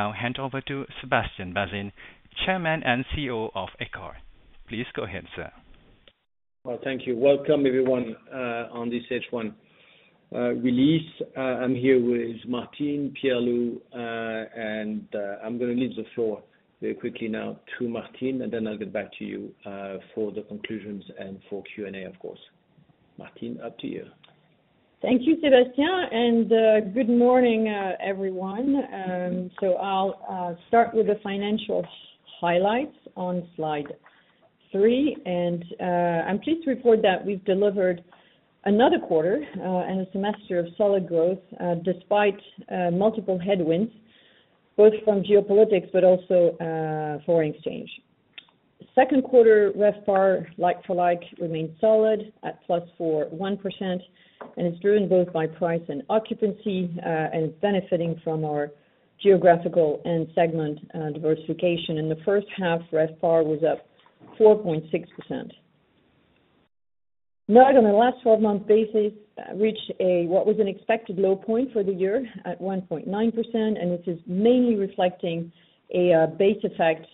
Now hand over to Sébastien Bazin, Chairman and CEO of Accor. Please go ahead, sir. Thank you. Welcome everyone on this H1 release. I'm here with Martine Gerow and I'm going to leave the floor very quickly now to Martine and then I'll get back to you for the conclusions and for Q&A, of course. Martine, up to you. Thank you, Sébastien, and good morning everyone. I'll start with the financials highlights on slide three, and I'm pleased to report that we've delivered another quarter and a semester of solid growth despite multiple headwinds, both from geopolitics but also foreign exchange. Second quarter RevPAR like-for-like remains solid at 4.1% and is driven both by price and occupancy and benefiting from our geographical and segment diversification. In the first half, RevPAR was up 4.6%. NUG on the last 12 month basis reached what was an expected low point for the year at 1.9%. This is mainly reflecting a base effect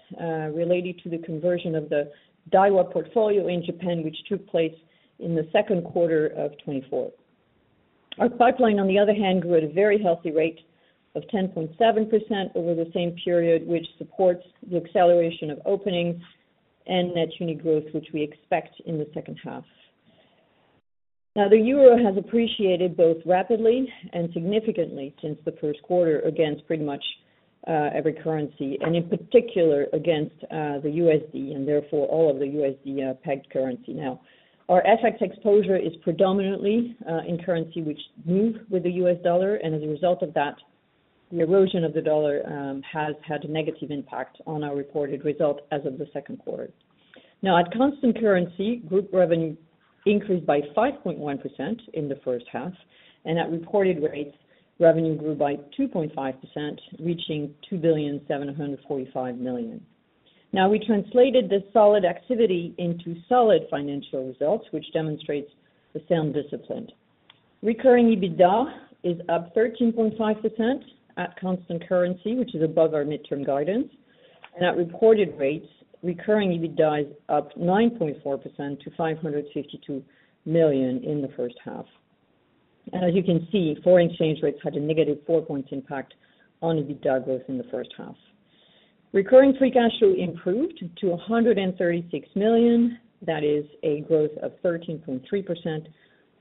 related to the conversion of the Daiwa portfolio in Japan which took place in second quarter 2024. Our pipeline, on the other hand, grew at a very healthy rate of 10.7% over the same period, which supports the acceleration of openings and net unit growth which we expect in the second half. Now, the euro has appreciated both rapidly and significantly since the first quarter against pretty much every currency and in particular against the USD and therefore all of the USD pegged currency. Our FX exposure is predominantly in currency which move with the US dollar and as a result of that, the erosion of the dollar has had a negative impact on our reported result as of the second quarter. At constant currency, group revenue increased by 5.1% in the first half and at reported rates, revenue grew by 2.5% reaching 2.745 billion. We translated this solid activity into solid financial results which demonstrates the sound discipline. Recurring EBITDA is up 13.5% at constant currency, which is above our midterm guidance, and at reported rates, recurring EBITDA is up 9.4% to 552 million in the first half. As you can see, foreign exchange rates had a negative 4 point impact on EBITDA growth in the first half. Recurring free cash flow improved to 136 million. That is a growth of 13.3%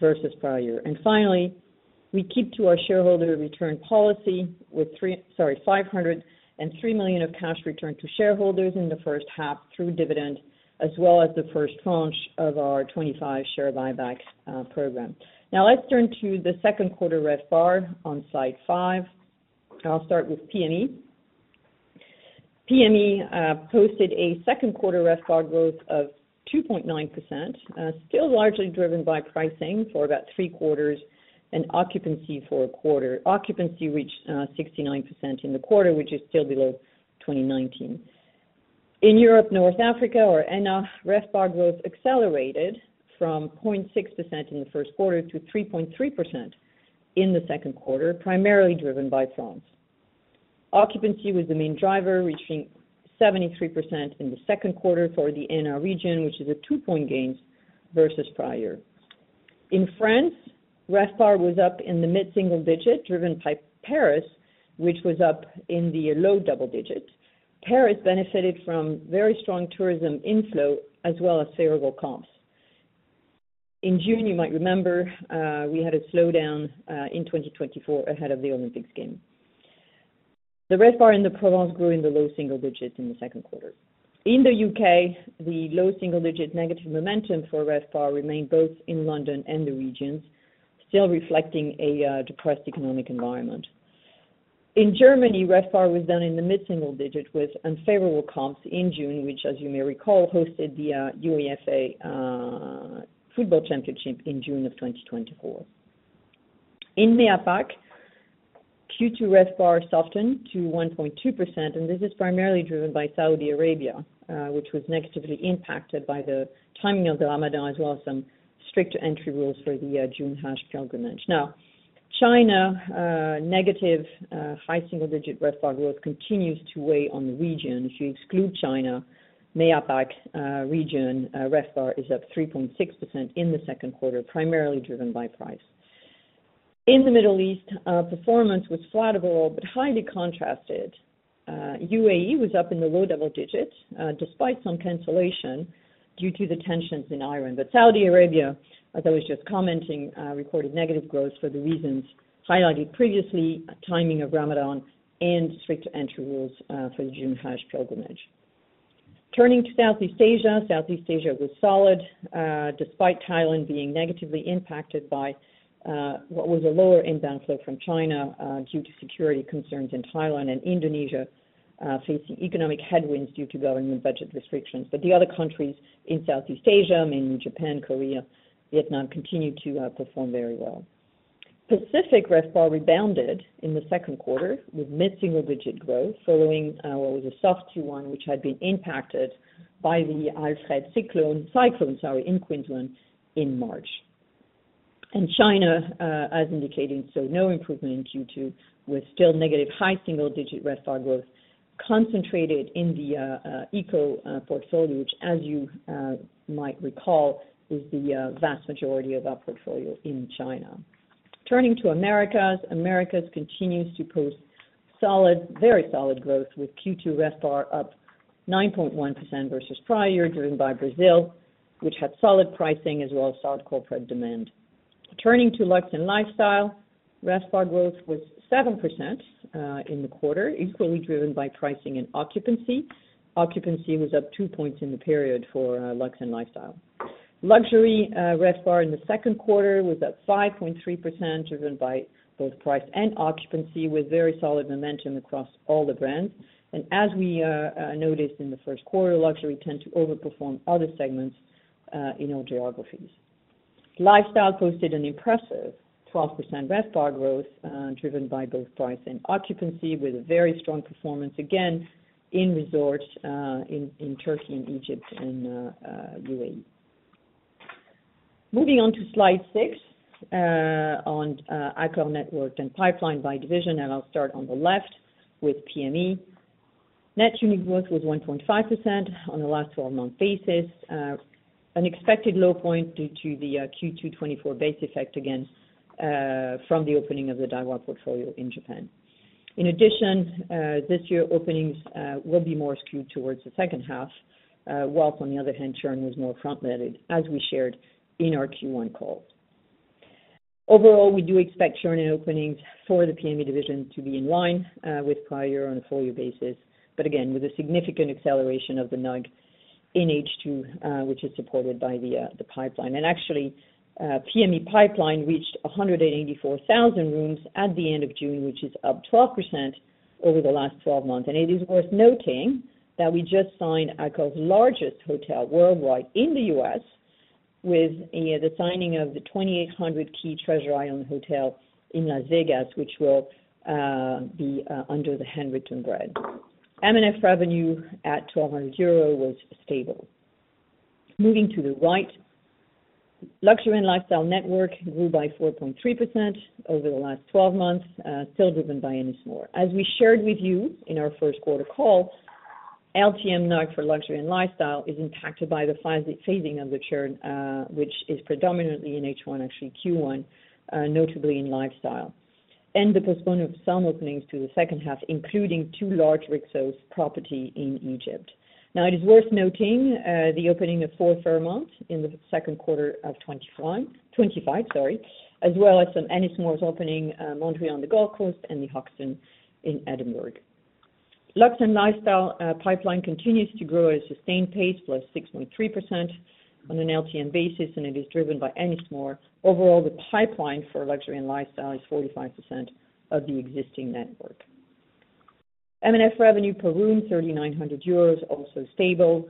versus prior year. Finally, we keep to our shareholder return policy with 503 million of cash returned to shareholders in the first half through dividend as well as the first tranche of our 2025 share buyback program. Now let's turn to the second quarter RevPAR on slide five. I'll start with PM&E. PM&E posted a second quarter RevPAR growth of 2.9%, still largely driven by pricing for about three quarters and occupancy for a quarter. Occupancy reached 69% in the quarter, which is still below 2019. In Europe, North Africa or ENA, RevPAR growth accelerated from 0.6% in the first quarter to 3.3% in the second quarter, primarily driven by France. Occupancy was the main driver, reaching 73% in the second quarter for the ENA region, which is a two point gain versus prior year. In France, RevPAR was up in the mid single digit, driven by Paris, which was up in the low double digit. Paris benefited from very strong tourism inflow as well as favorable comps in June. You might remember we had a slowdown in 2024 ahead of the Olympics game. The RevPAR in the Provence grew in the low single digits in the second quarter. In the U.K., the low single digit negative momentum for RevPAR remained both in London and the regions, still reflecting a depressed economic environment. In Germany, RevPAR was down in the mid single digit with unfavorable comps in June, which, as you may recall, hosted the UEFA Football Championship in June of 2024. In the APAC Q2, RevPAR softened to 1.2%, and this is primarily driven by Saudi Arabia, which was negatively impacted by the timing of the Ramadan as well as some strict entry rules for the June Hajj pilgrimage. Now, China negative high single digit RevPAR growth continues to weigh on the region. If you exclude China region, RevPAR is up 3.6% in the second quarter, primarily driven by price. In the Middle East, performance was flat overall but highly contrasted. UAE was up in the low double digits despite some cancellation due to the tensions in Iran, but Saudi Arabia, as I was just commenting, recorded negative growth for the reasons highlighted previously, timing of Ramadan and strict entry rules for the June Hajj pilgrimage. Turning to Southeast Asia, Southeast Asia was solid despite Thailand being negatively impacted by what was a lower inbound flow from China due to security concerns in Thailand and Indonesia facing economic headwinds due to government budget restrictions, but the other countries in Southeast Asia, mainly Japan, Korea, Vietnam, continue to perform very well. Pacific RevPAR rebounded in the second quarter with mid single digit growth following what was a soft Q1, which had been impacted by the Alfred Cyclone in Queensland in March, and China, as indicated, saw no improvement in Q2 with still negative high single digit RevPAR growth concentrated in the Eco portfolio, which, as you might recall, is the vast majority of our portfolio in China. Turning to Americas, Americas continues to post solid, very solid growth with Q2 RevPAR up 9.1% versus prior year, driven by Brazil, which had solid pricing as well as solid corporate demand. Turning to luxury and lifestyle, RevPAR growth was 7% in the quarter, equally driven by pricing and occupancy. Occupancy was up 2 percentage points in the period for luxury and lifestyle. Luxury RevPAR in the second quarter was up 5.3%, driven by both price and occupancy, with very solid momentum across all the brands, and as we noticed in the first quarter, luxury tends to overperform other segments in all geographies. Lifestyle posted an impressive 12% RevPAR growth, driven by both price and occupancy, with a very strong performance again in resorts in Turkey, in Egypt, and UAE. Moving on to slide 6 on Accor network and pipeline by division, and I'll start on the left with PM&E. Net unit growth was 1.5% on the last 12-month basis, an expected low point due to the Q2 2024 base effect, again from the opening of the Daiwa portfolio in Japan. In addition, this year, openings will be more skewed towards the second half, whilst on the other hand, churn was more front-loaded as we shared in our Q1 call. Overall, we do expect churn and openings for the PM&E division to be in line with prior year on a full-year basis, but again with a significant acceleration of the net unit growth in H2, which is supported by the pipeline, and actually PM&E pipeline reached 184,000 rooms at the end of June, which is up 12% over the last 12 months. It is worth noting that we just signed Accor's largest hotel worldwide in the U.S. with the signing of the 2,800-key Treasure Island Hotel in Las Vegas, which will be under the Handwritten brand. M&F revenue at 1,200 euro was stable. Moving to the right, luxury and lifestyle network grew by 4.3% over the last 12 months, still driven by Ennismore, as we shared with you in our first quarter call. LTM net unit growth for luxury and lifestyle is impacted by the phasing of the churn, which is predominantly in H1, actually Q1, notably in lifestyle, and the postponement of some openings to the second half, including two large Rixos properties in Egypt. Now, it is worth noting the opening of four Fairmont in Q2 2025, as well as some Ennismore openings, Mondrian on the Gold Coast, and The Hoxton in Edinburgh. Luxury and lifestyle pipeline continues to grow at a sustained pace, plus 6.3% on an LTM basis, and it is driven by Ennismore. Overall, the pipeline for luxury and lifestyle is 45% of the existing network. M&F revenue per room 3,900 euros, also stable.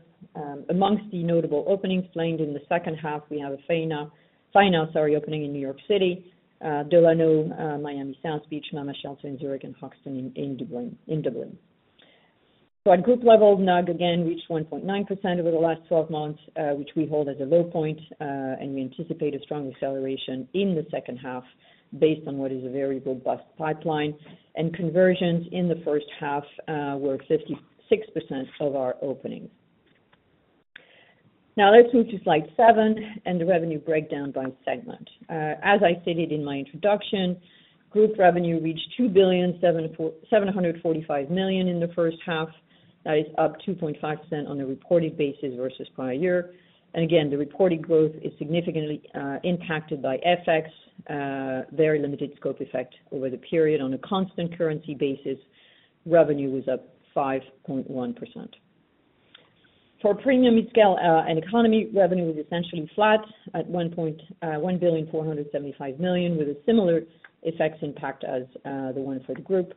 Amongst the notable openings planned in the second half we have a Fairmont New York City reopening, Delano Miami South Beach, Mama Shelter in Zurich, and Hoxton in Dublin. At group level, NUG again reached 1.9% over the last 12 months, which we hold as a low point, and we anticipate a strong acceleration in the second half based on what is a very robust pipeline, and conversions in the first half were 56% of our openings. Now let's move to Slide 7 and the revenue breakdown by segment. As I stated in my introduction, group revenue reached 2.745 billion in the first half. That is up 2.5% on a reported basis versus prior year, and again the reported growth is significantly impacted by FX. Very limited scope effect over the period. On a constant currency basis, revenue was up 5.1%. For premium, scale, and economy, revenue was essentially flat at 1.475 billion, with a similar FX impact as the one for the group.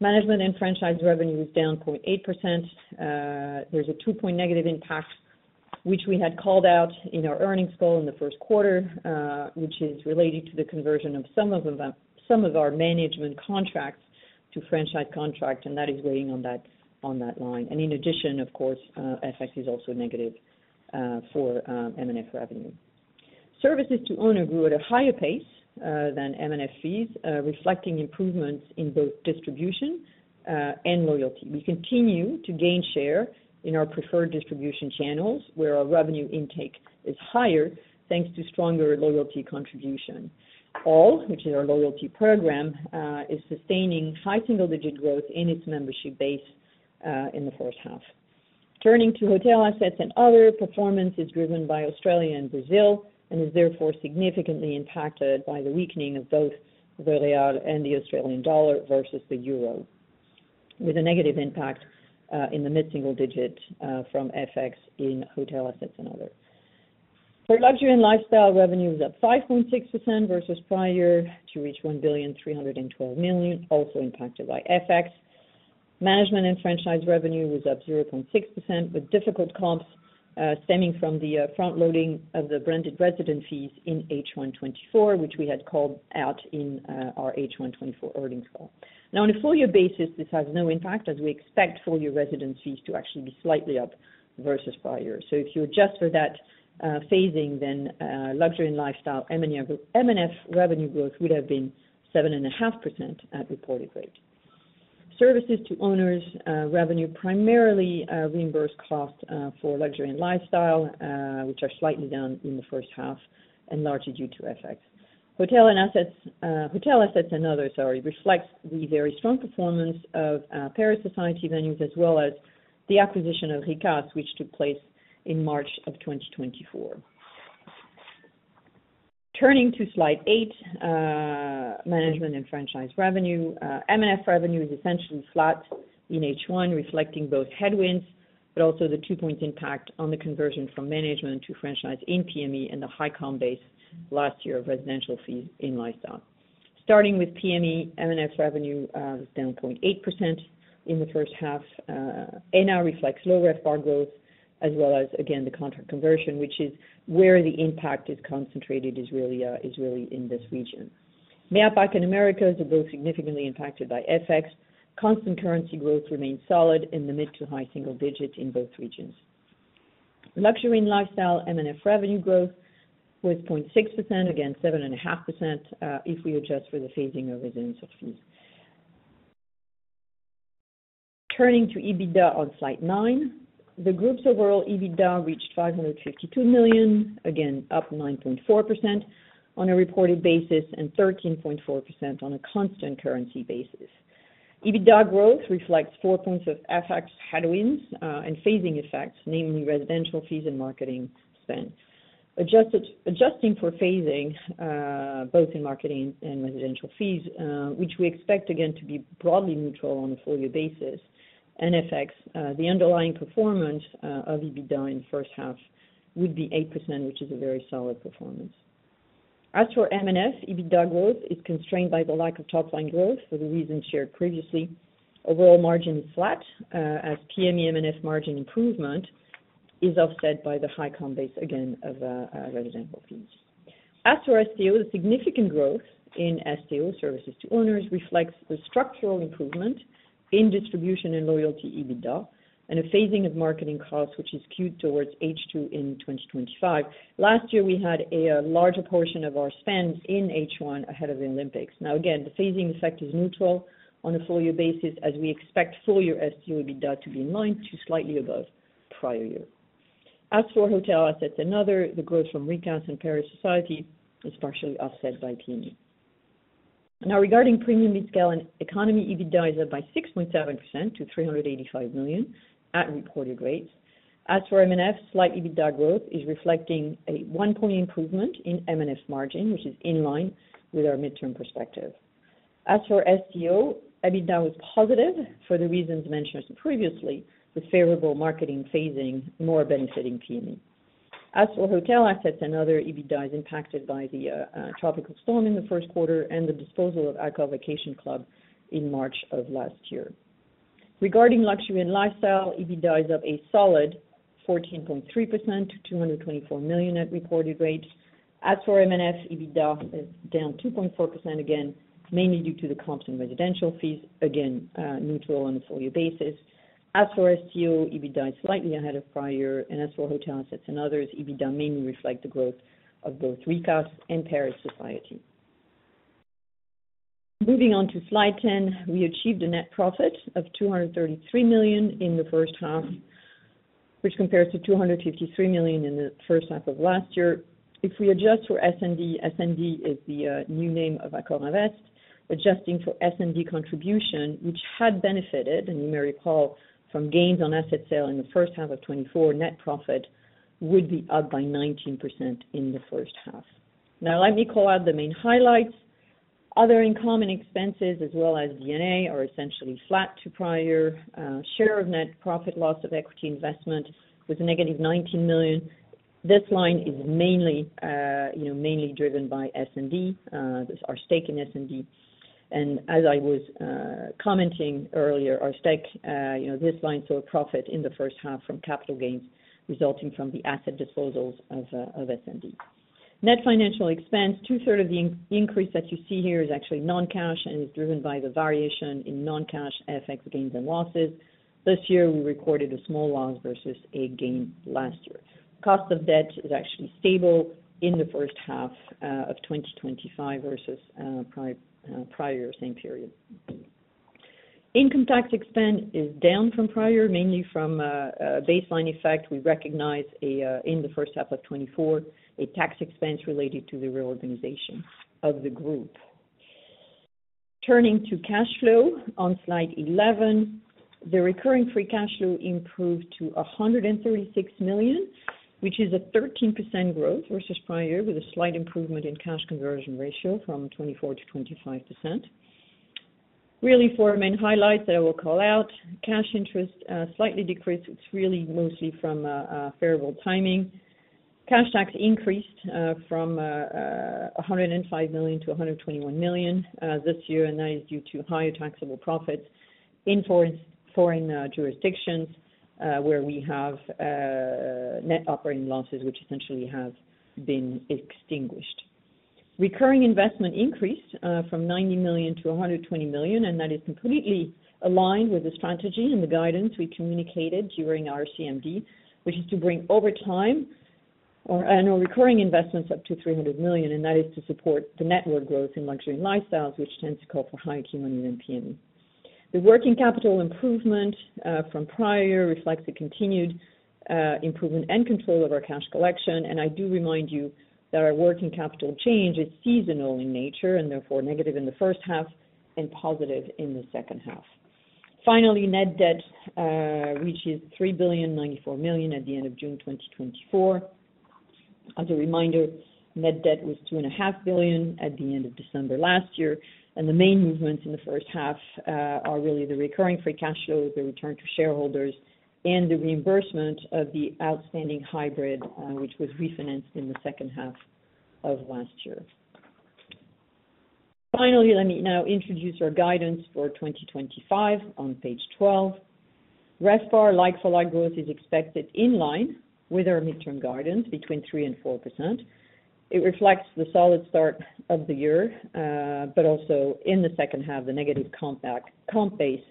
Management and franchise revenue is down 0.8%. There is a two point negative impact, which we had called out in our earnings call in the first quarter, which is related to the conversion of some of our management contracts to franchise contract, and that is weighing on that line. In addition, of course, FX is also negative for M&F. Revenue services to owner grew at a higher pace than M&F fees, reflecting improvements in both distribution and loyalty. We continue to gain share in our preferred distribution channels, where our revenue intake is higher thanks to stronger loyalty contribution. ALL, which is our loyalty program, is sustaining high single digit growth in its membership base in the first half. Turning to hotel assets and other, performance is driven by Australia and Brazil and is therefore significantly impacted by the weakening of both the real and the Australian dollar versus the euro, with a negative impact in the mid single digit from FX in hotel assets and others. For luxury and lifestyle, revenue is up 5.6% versus prior year to reach 1.312 billion, also impacted by FX, management and franchise revenue was up 0.6%, with difficult comps stemming from the front loading of the branded residence fees in H1 2024, which we had called out in our H1 2024 earnings call. On a full year basis, this has no impact, as we expect full year residence fees to actually be slightly up versus prior year. If you adjust for that phasing, then luxury and lifestyle M&F revenue growth would have been 7.5% at reported rate. Services to owners revenue, primarily reimbursed cost for luxury and lifestyle, which are slightly down in the first half and largely due to FX. Hotel assets and others, sorry, reflects the very strong performance of Paris Society venues as well as the acquisition of Rikas, which took place in March of 2024. Turning to Slide 8, management and franchise revenue, M&F revenue is essentially flat in H1, reflecting both headwinds but also the two point impact on the conversion from management to franchise in PM&E and the high comp base last year of residential fees in lifestyle. Starting with PM&E, M&F revenue was down 0.8% in the first half. NR reflects low RevPAR growth as well as, again, the contract conversion, which is where the impact is concentrated, is really in this region. MEA, APAC, and Americas are both significantly impacted by FX. Constant currency growth remains solid in the mid to high single digits in both regions. Luxury and lifestyle M&F revenue growth was 0.6%, again 7.5% if we adjust for the phasing of resident services. Turning to EBITDA on Slide 9, the group's overall EBITDA reached 552 million, again up 9.4% on a reported basis and 13.4% on a constant currency basis. EBITDA growth reflects 4 points of FX headwinds and phasing effects, namely residential fees and marketing spend. Adjusting for phasing, both in marketing and residential fees, which we expect again to be broadly neutral on a full year basis and affects, the underlying performance of EBITDA in the first half would be 8%, which is a very solid performance. As for M&F, EBITDA growth is constrained by the lack of top line growth for the reasons shared previously. Overall margin is flat as PM&E M&F margin improvement is offset by the high comp base, again, of residential fees. As for STO, the significant growth in services to owners reflects the structural improvement in distribution and loyalty EBITDA and a phasing of marketing costs, which is skewed towards H2 in 2025. Last year, we had a larger portion of our spend in H1 ahead of the Olympics. Now, again, the phasing effect is neutral on a full year basis as we expect full year STO EBITDA to be in line to slightly above prior year. As for hotel assets, the growth from Rikas and Paris Society is partially offset by PM&E. Now, regarding premium, midscale, and economy, EBITDA is up by 6.7% to 385 million at reported rates. As for M&F, slight EBITDA growth is reflecting a one point improvement in M&F margin which is in line with our midterm perspective. As for STO, EBITDA was positive for the reasons mentioned previously with favorable marketing phasing more benefiting PM&E. As for hotel assets and other, EBITDA is impacted by the tropical storm in the first quarter and the disposal of Accor Vacation Club in March of last year. Regarding luxury and lifestyle, EBITDA is up a solid 14.3% to $224 million at reported rates. As for M&F, EBITDA is down 2.4% again mainly due to the comps in residential fees, again neutral on a full year basis. As for STO, EBITDA is slightly ahead of prior year and as for hotel assets and others, EBITDA mainly reflect the growth of both Rikas and Paris Society. Moving on to slide 10, we achieved a net profit of 233 million in the first half which compares to 253 million in the first half of last year. If we adjust for Essendi, Essendi is the new name of AccorInvest. Adjusting for Essendi contribution which had benefited, and you may recall from gains on asset sale in the first half of 2024, net profit would be up by 19% in the first half. Now let me call out the main highlights. Other income and expenses as well as D&A are essentially flat to prior year. Share of net profit loss of equity investment was negative $19 million. This line is mainly driven by Essendi. Our stake in Essendi, and as I was commenting earlier, our stake, this line saw profit in the first half from capital gains resulting from the asset disposals of Essendi. Net financial expense, two-thirds of the increase that you see here is actually non-cash and is driven by the variation in non-cash FX gains and losses. This year we recorded a small loss versus a gain last year. Cost of debt is actually stable in the first half of 2025 versus prior year same period. Income tax expense is down from prior mainly from baseline effect. We recognized in first half of 2024 a tax expense related to the reorganization of the group. Turning to cash flow on slide 11, the recurring free cash flow improved to 136 million which is a 13% growth versus prior year with a slight improvement in cash conversion ratio from 24% to 25%. Really four main highlights that I will call out. Cash interest slightly decreased. It's really mostly from favorable timing. Cash tax increased from 105 million to 121 million this year and that is due to higher taxable profits in foreign jurisdictions where we have net operating losses which essentially have been extinguished. Recurring investment increased from 90 million to 120 million and that is completely aligned with the strategy and the guidance we communicated during our CMD which is to bring over time our recurring investments up to 300 million and that is to support the network growth in luxury and lifestyles which tend to call for higher Q1 E than PM&E. The working capital improvement from prior year reflects the continued improvement and control of our cash collection and I do remind you that our working capital change is seasonal in nature and therefore negative in the first half and positive in the second half. Finally, net debt reaches 3.094 billion at the end of June 2024. As a reminder, net debt was 2.5 billion at the end of December last year. The main movements in the first half are really the recurring free cash flow, the return to shareholders and the reimbursement of the outstanding hybrid which was refinanced in the second half of last year. Finally, let me now introduce our guidance for 2025 on page 12. RevPAR like-for-like growth is expected in line with our midterm guidance between 3%-4%. It reflects the solid start of the year, but also in the second half the negative comp base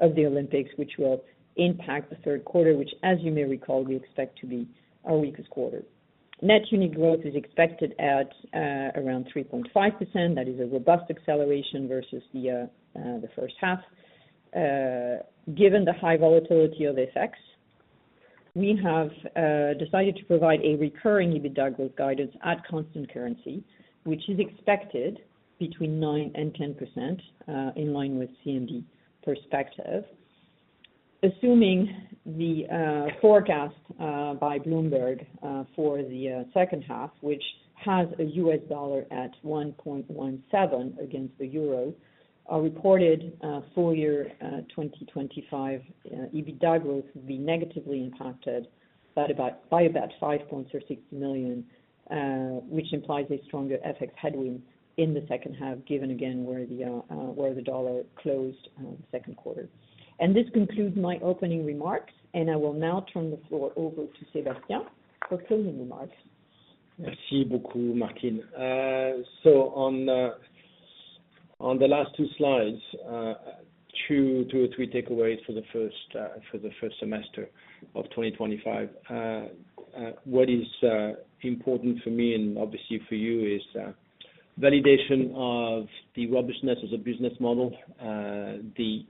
of the Olympics which will impact the third quarter, which as you may recall we expect to be our weakest quarter. Net unit growth is expected at around 3.5%. That is a robust acceleration versus the first half. Given the high volatility of FX, we have decided to provide a recurring EBITDA growth guidance at constant currency which is expected between 9%-10% in line with CMD perspective. Assuming the forecast by Bloomberg for the second half, which has a U.S. dollar at $1.17 against the euro, our reported full year 2025 EBITDA growth would be negatively impacted by about 5 points or 60 million, which implies a stronger FX headwind in the second half, given again where the dollar closed second quarter. This concludes my opening remarks and I will now turn the floor over to Sébastien for closing remarks. Merci beaucoup, Martine. On the last two slides, two or three takeaways for the first semester of 2025. What is important for me and obviously for you is validation of the robustness of the business model. The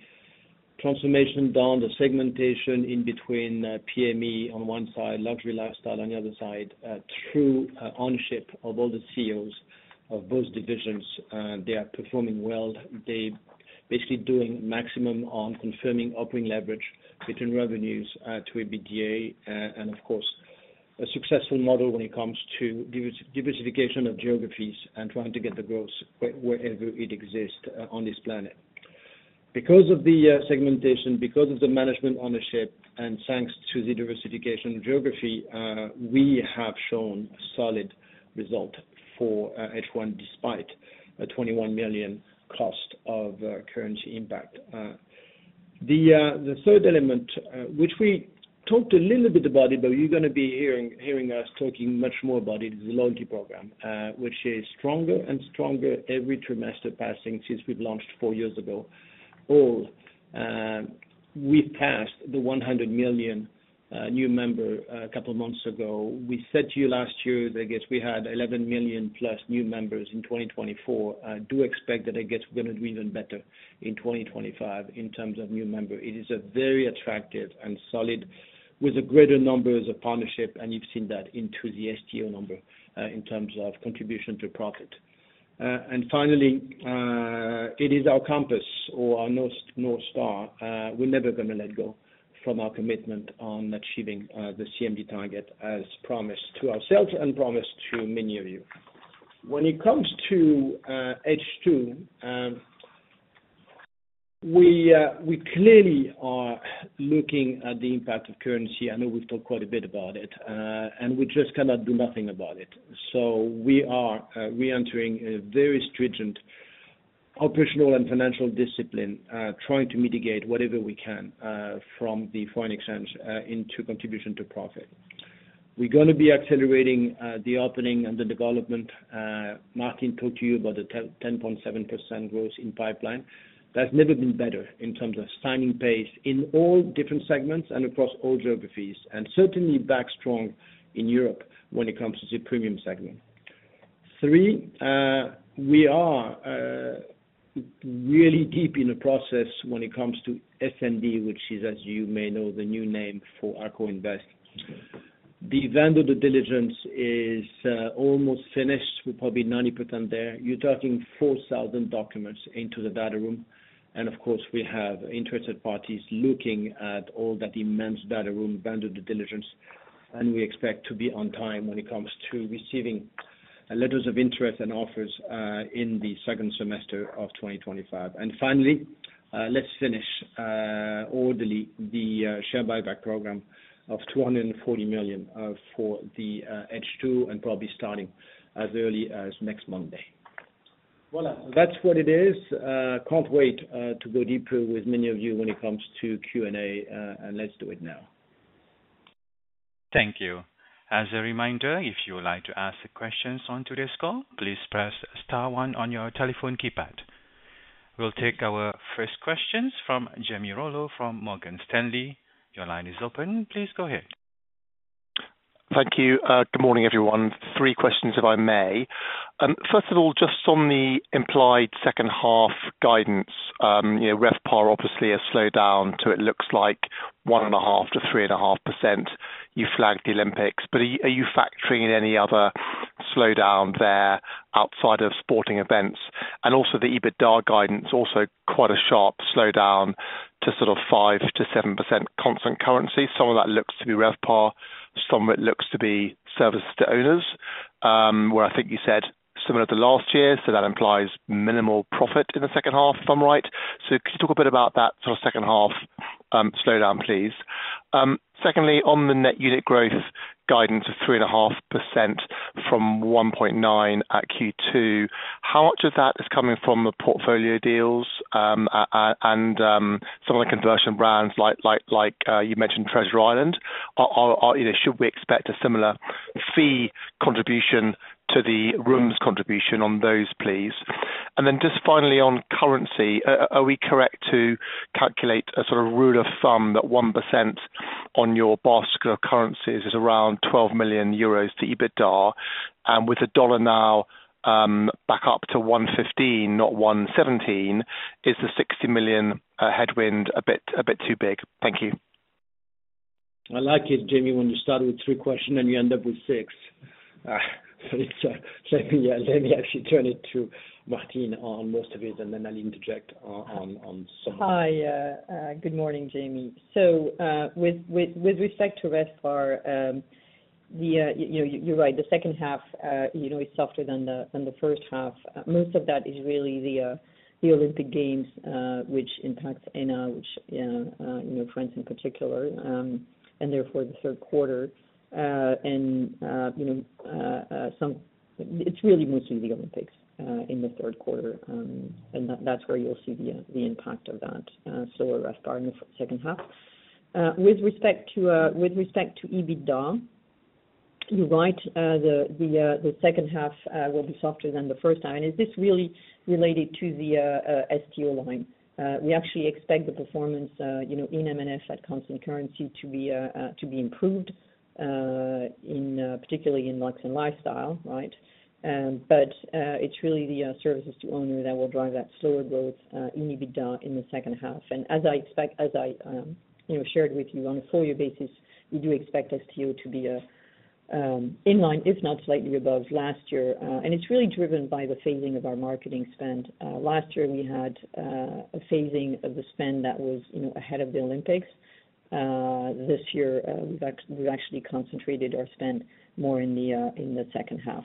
transformation done, the segmentation in between PM&E on one side, luxury lifestyle on the other side. Through ownership of all the CEOs of both divisions, they are performing well. They are basically doing maximum on confirming operating leverage between revenues to EBITDA and of course a successful model when it comes to diversification of geographies and trying to get the growth wherever it exists on this planet. Because of the segmentation, because of the management ownership and thanks to the diversification geography, we have shown solid result for H1 despite a 21 million cost of currency impact. The third element, which we talked a little bit about, but you are going to be hearing us talking much more about it, is the loyalty program, which is stronger and stronger every trimester passing since we have launched four years ago. We passed the 100 million new member a couple months ago. We said to you last year that we had 11 million+ new members in 2024. I do expect that. I guess we are going to do even better in 2025 in terms of new member. It is very attractive and solid with a greater number as a partnership and you have seen that into the STO number in terms of contribution to profit. Finally, it is our campus or our North Star. We are never going to let go from our commitment on achieving the CMD target as promised to ourselves and promised to many of you. When it comes to H2, we clearly are looking at the impact of currency. I know we have talked quite a bit about it and we just cannot do anything about it. We are re-entering a very stringent operational and financial discipline, trying to mitigate whatever we can from the foreign exchange into contribution to profit. We are going to be accelerating the opening and the development. Martine talked to you about the 10.7% growth in pipeline. That has never been better in terms of signing pace in all different segments and across all geographies and certainly back strong in Europe when it comes to the premium segment. We are really deep in the process when it comes to Essendi, which is, as you may know, the new name for AccorInvest. The vendor due diligence is almost finished with probably 90% there. You're talking 4,000 documents into the data room and of course we have interested parties looking at all that immense data room vendor due diligence and we expect to be on time when it comes to receiving letters of interest and offers in the second semester of 2025. Finally, let's finish or delete the share buyback program of 240 million for the H2 and probably starting as early as next Monday. That's what it is. Can't wait to go deeper with many of you when it comes to Q&A. Let's do it now. Thank you. As a reminder, if you would like to ask questions on today's call, please press star 1 on your telephone keypad. We'll take our first questions from Jamie Rollo from Morgan Stanley. Your line is open. Please go ahead. Thank you. Good morning everyone. Three questions, if I may. First of all, just on the implied second half guidance, RevPAR obviously has slowed down to it looks like 1.5%-3.5%. You flagged the Olympics, but are you factoring in any other slowdown there outside of sporting events? Also the EBITDA guidance? Also quite a sharp slowdown to sort of 5%-7% constant currency. Some of that looks to be RevPAR, some of it looks to be services to owners, where I think you said similar to last year. That implies minimal profit in the second half, if I am right. Talk a bit about that second half slowdown, please. Secondly, on the net unit growth guidance of 3.5% from 1.9% at Q2. How much of that is coming from the portfolio deals and some of the conversion brands ,like you mentioned Treasure Island. Should we expect a similar fee contribution to the rooms? Contribution on those, please. And then just finally on currency, are we correct to calculate a sort of rule of thumb that 1% on your basket of currencies is around 12 million euros to EBITDA and with the dollar back up to $1.15, not $1.17. Is the 60 million headwind a bit too big? Thank you. I like it, Jamie, when you start with three questions and you end up with six. Let me actually turn it to Martine on most of it and then I'll interject on some. Hi, good morning, Jamie. With respect to RevPAR, you're right, the second half is softer than the first half. Most of that is really the Olympic Games, which impacts France in particular and therefore the third quarter. It's really mostly the Olympics in the third quarter. That's where you'll see the impact of that slower RevPAR for the second half. With respect to EBITDA, you're right, the second half will be softer than the first half. Is this really related to the STO line? We actually expect the performance in M&F at constant currency to be improved, particularly in lux and lifestyle. Right. It's really the services to owners that will drive that slower growth in EBITDA in the second half. As I shared with you, on a full year basis we do expect STO to be in line if not slightly above last year. It's really driven by the phasing of our marketing spend. Last year we had a phasing of the spend that was ahead of the Olympics. This year we've actually concentrated our spend more in the second half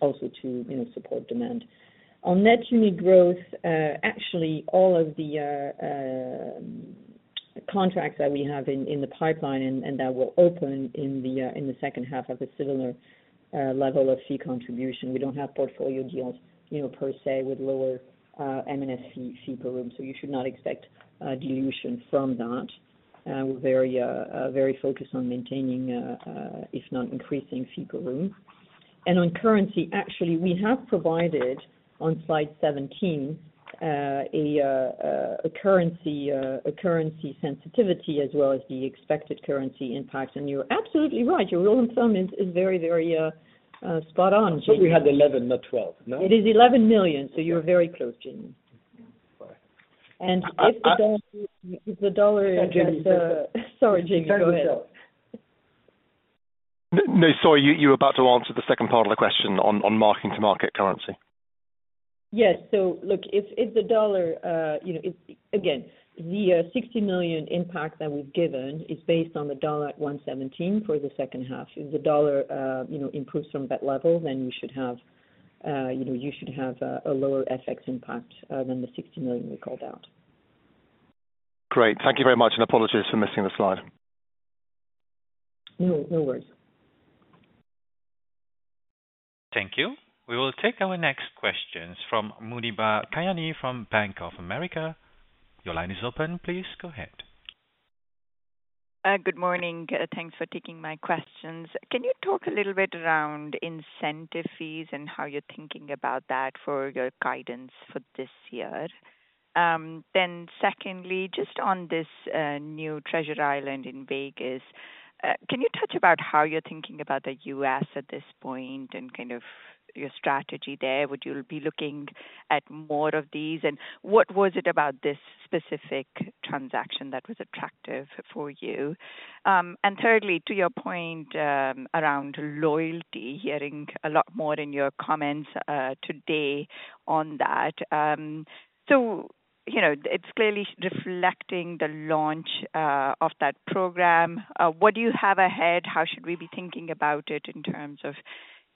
also to support demand on net unit growth. Actually, all of the contracts that we have in the pipeline and that will open in the second half are of a similar level of fee contribution. We don't have portfolio deals per se with lower M&F fee per room. You should not expect dilution from that. We're very focused on maintaining if not increasing fee per room. On currency, we have provided on slide 17 a currency sensitivity as well as the expected currency impact. You're absolutely right, your rule of thumb is very, very spot on. We had 11 million, not 12 million. No, it is 11 million. So you're very close, Jamie. And if the dollar storage. No, sorry, you were about to answer the second part of the question on marking to market currency. Yes. Look, if the dollar, again the 60 million impact that we've given is based on the dollar at $1.17 for the second half, if the dollar improves from that level, then we should have—you should have a lower FX impact than the 60 million we called out. Great, thank you very much and apologies for missing the slide. No worries. Thank you. We will take our next questions from Muneeba Kayani from Bank of America. Your line is open. Please go ahead. Good morning. Thanks for taking my questions. Can you talk a little bit around incentive fees and how you're thinking about that for your guidance for this year? Then secondly, just on this new Treasure Island in Vegas, can you touch about how you're thinking about the U.S. at this point and kind of your strategy there? Would you be looking at more of these and what was it about this specific transaction that was attractive for you? Thirdly, to your point around loyalty, hearing a lot more in your comments today on that. You know it's clearly reflecting the launch of that program. What do you have ahead? How should we be thinking about it in terms of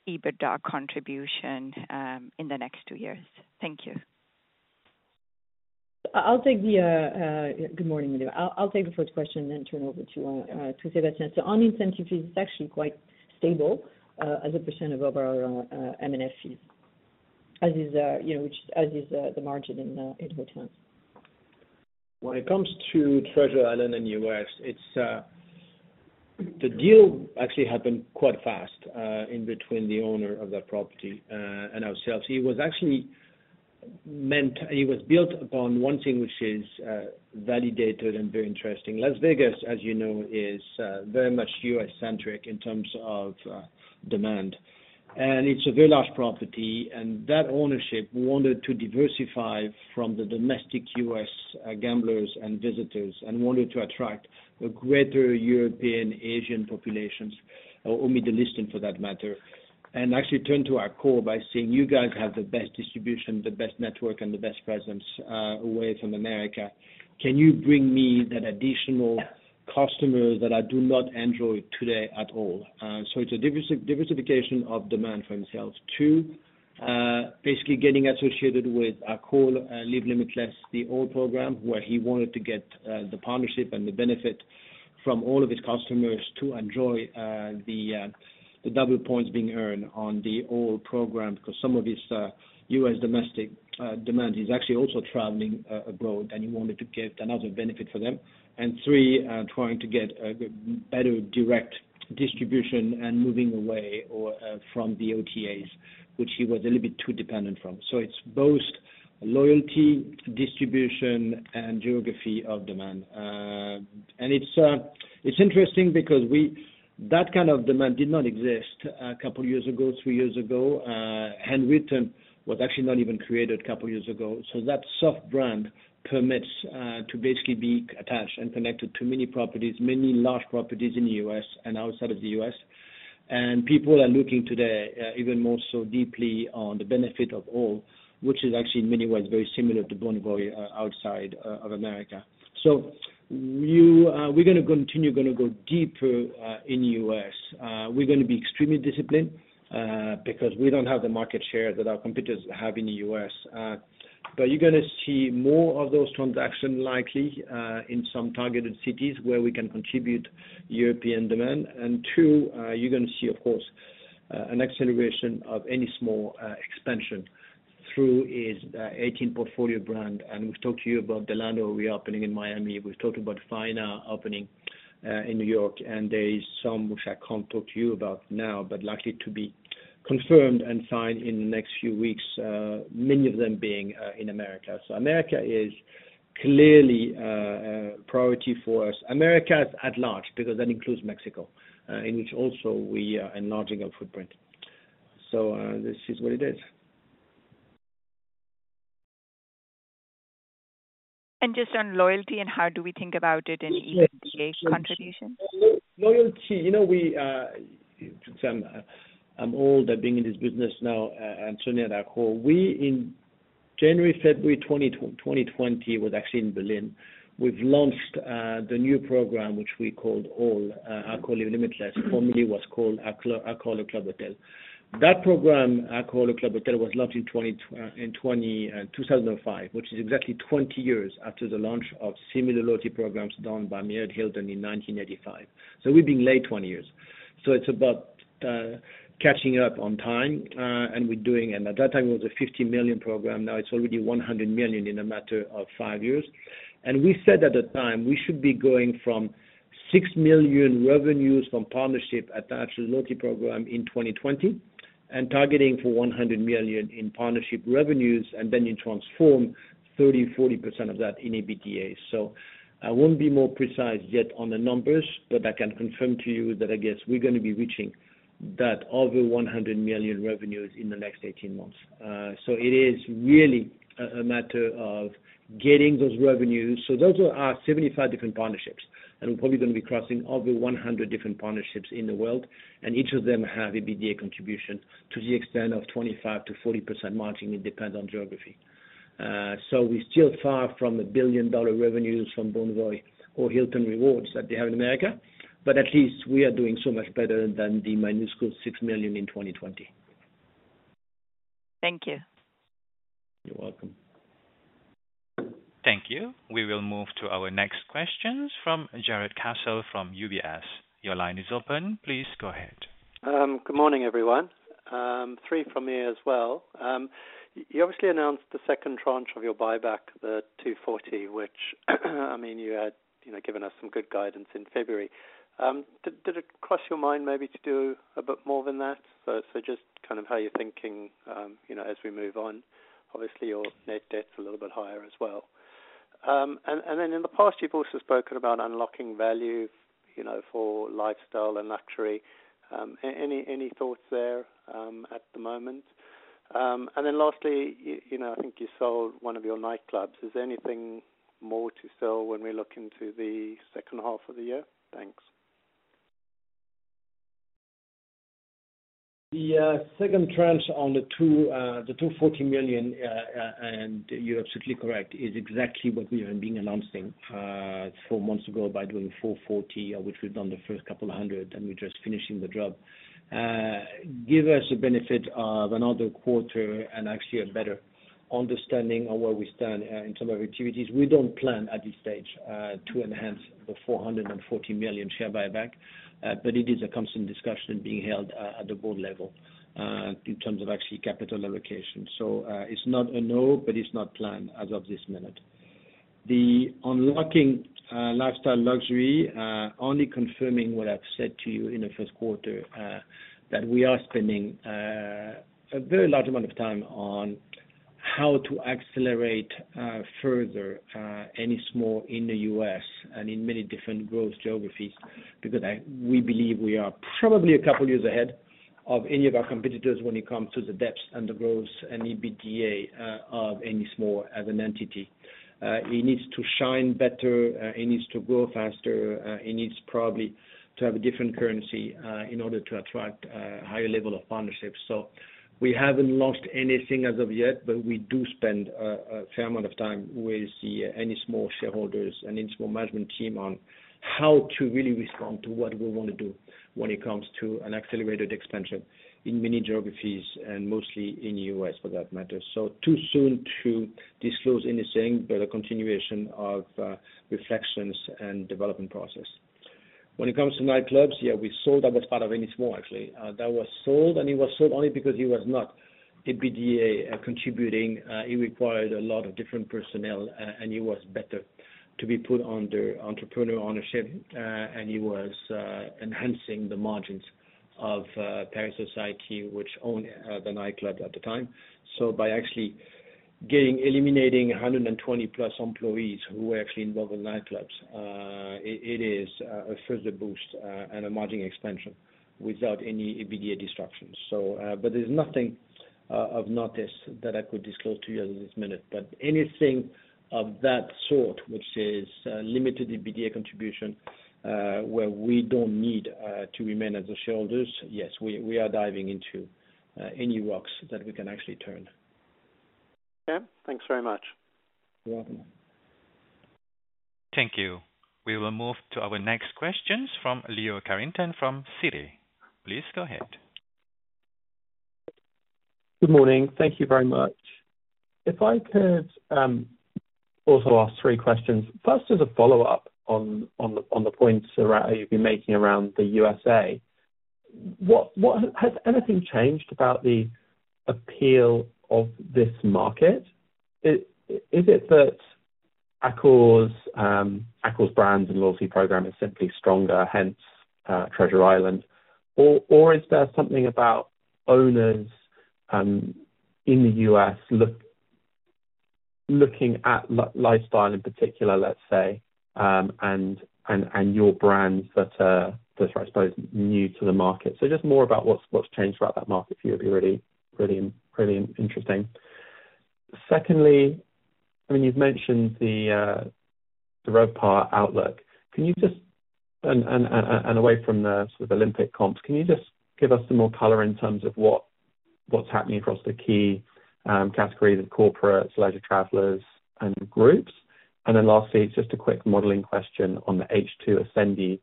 EBITDA contribution in the next two years? Thank you. I'll take the. Good morning. I'll take the first question then turn over to Sébastien. On incentive fees, it's actually quite stable as a percent of overall M&F fees, as is the margin in hotels. When it comes to Treasure Island and U.S., the deal actually happened quite fast in between the owner of that property and ourselves. It was actually meant, it was built upon one thing which is validated and very interesting. Las Vegas, as you know, is very much U.S. centric in terms of demand and it's a very large property. That ownership wanted to diversify from the domestic U.S. gamblers and visitors and wanted to attract a greater European, Asian population or Middle Eastern for that matter. They actually turned to Accor by saying, you guys have the best distribution, the best network and the best presence away from America. Can you bring me that additional customers that I do not enjoy today at all? It is a diversification of demand for himself. Two, basically getting associated with Accor Live Limitless, the ALL program, where he wanted to get the partnership and the benefit from all of his customers to enjoy the double points being earned on the ALL program because some of his U.S. domestic demand is actually also traveling abroad and he wanted to get another benefit for them. Three, trying to get better direct distribution and moving away from the OTAs, which he was a little bit too dependent on. It is both loyalty, distribution and geography of demand. It is interesting because that kind of demand did not exist a couple years ago, three years ago, Handwritten was actually not even created a couple years ago. That soft brand permits to basically be attached and connected to many properties, many large properties in the U.S. and outside of the U.S. and people are looking today even more so deeply on the benefit of ALL, which is actually in many ways very similar to Bonvoy outside of America. We are going to continue going to go deeper in U.S., we are going to be extremely disciplined because we do not have the market share that our competitors have in the U.S., but you are going to see more of those transactions likely in some targeted cities where we can contribute European demand. Two, you are going to see, of course, an acceleration of any small expansion through its 18 portfolio brand. We have talked to you about Delano reopening in Miami, we have talked about Faena opening in New York, and there is some which I cannot talk to you about now, but likely to be confirmed and signed in the next few weeks, many of them being in America. America is clearly priority for us, America at large, because that includes Mexico, in which also we are enlarging our footprint. This is what it is. Just on loyalty and how do we think about it and even contributions? Loyalty, you know, we, I'm old being in this business now and certainly at Accor, we in January, February 2020 was actually in Berlin, we've launched the new program which we called ALL – Accor Live Limitless, formerly was called Accor Le Club Hotel. That program, Accor Le Club Hotel, was launched in 2005, which is exactly 20 years after the launch of similar loyalty programs done by Marriott, Hilton in 1985. So we've been late 20 years. It's about catching up on time. And we're doing and at that time it was a 50 million program. Now it's already 100 million in a matter of five years. We said at the time we should be going from 6 million revenues from partnership attached to the loyalty program in 2020 and targeting for 100 million in partnership revenues and then you transform 30%-40% of that in EBITDA. I won't be more precise yet on the numbers, but I can confirm to you that I guess we're going to be reaching that over 100 million revenues in the next 18 months. It is really a matter of getting those revenues. Those are 75 different partnerships and we're probably going to be crossing over 100 different partnerships in the world and each of them have an EBITDA contribution to the extent of 25%-40% margin. It depends on geography. We're still far from a billion dollar revenues from Bonvoy or Hilton rewards that they have in the U.S., but at least we are doing so much better than the minuscule 6 million in 2020. Thank you. You're welcome. Thank you. We will move to our next questions from Jarrod Castle from UBS. Your line is open. Please go ahead. Good morning everyone. Three from me as well. You obviously announced the second tranche of your buyback, the 240 million, which I mean you had given us some good guidance in February. Did it cross your mind maybe to do a bit more than that? Just kind of how you're thinking as we move on. Obviously your net debt's a little bit higher as well. In the past you've also spoken about unlocking value, you know, for lifestyle and luxury. Any thoughts there at the moment? Lastly, you know, I think you sold one of your nightclubs. Is there anything more to sell when we look into the second half of the year? Thanks. The second tranche on the 240 million, and you're absolutely correct, is exactly what we have been announcing four months ago by doing 440 million, which we've done the first couple hundred and we're just finishing the job. Give us a benefit of another quarter and actually a better understanding of where we stand in some of the activities. We don't plan at this stage to enhance the 440 million share buyback, but it is a constant discussion being held at the board level in terms of actually capital allocation. It's not a no, but it's not planned as of this minute. The unlocking lifestyle luxury, only confirming what I've said to you in the first quarter, that we are spending a very large amount of time on how to accelerate further Ennismore in the U.S. and in many different growth geographies because we believe we are probably a couple years ahead of any of our competitors when it comes to the depth and the growth and EBITDA of Ennismore as an entity. It needs to shine better, it needs to grow faster, it needs probably to have a different currency in order to attract a higher level of partnership. We haven't lost anything as of yet, but we do spend a fair amount of time with the Ennismore shareholders and management team on how to really respond to what we want to do when it comes to an accelerated expansion in many geographies and mostly in the U.S. for that matter. Too soon to disclose anything, but a continuation of reflections and development process. When it comes to nightclubs, yeah, we sold—that was part of Ennismore actually that was sold, and it was sold only because it was not EBITDA contributing. It required a lot of different personnel and it was better to be put under entrepreneur ownership, and it was enhancing the margins of Paris Society, which owns the nightclub at the time. By actually eliminating 120+ employees who were actually involved in nightclubs, it is a further boost and a margin expansion without any EBITDA disruptions. There is nothing of notice that I could disclose to you at this minute. Anything of that sort which is limited EBITDA contribution where we do not need to remain as the shareholders, yes, we are diving into any rocks that we can actually turn. Thanks very much. You're welcome. Thank you. We will move to our next questions from Leo Carrington from Citi. Please go ahead. Good morning. Thank you very much. If I could also ask three questions. First, as a follow-up on the points you've been making around the U.S.A., has anything changed about the appeal of this market? Is it that Accor's brands and loyalty program is simply stronger, hence Treasure Island? Or is there something about owners in the U.S. looking at lifestyle in particular, let's say, and your brands that I suppose are new to the market? Just more about what's changed throughout that market for you would be really interesting. Secondly, I mean, you've mentioned the RevPAR outlook. Can you just, away from the Olympic comps, give us some more color in terms of what's happening across the key categories of corporates, leisure travelers? And then lastly, it's just a quick modeling question on the H2 Essendi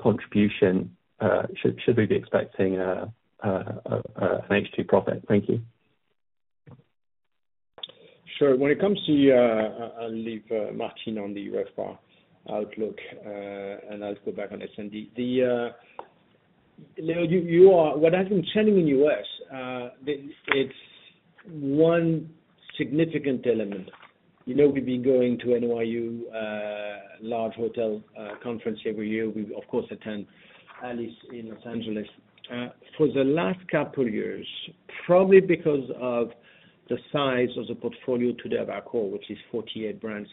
contribution. Should we be expecting an H2 profit? Thank you. Sure. When it comes to, I'll leave Martine on the U.S. RevPAR outlook and I'll go back on Essendi. Leo, what has been trending in U.S., it's one significant element. You know, we've been going to NYU Large Hotel conference every year. We of course attend ALIS in Los Angeles for the last couple years. Probably because of the size of the portfolio today of Accor, which is 48 brands,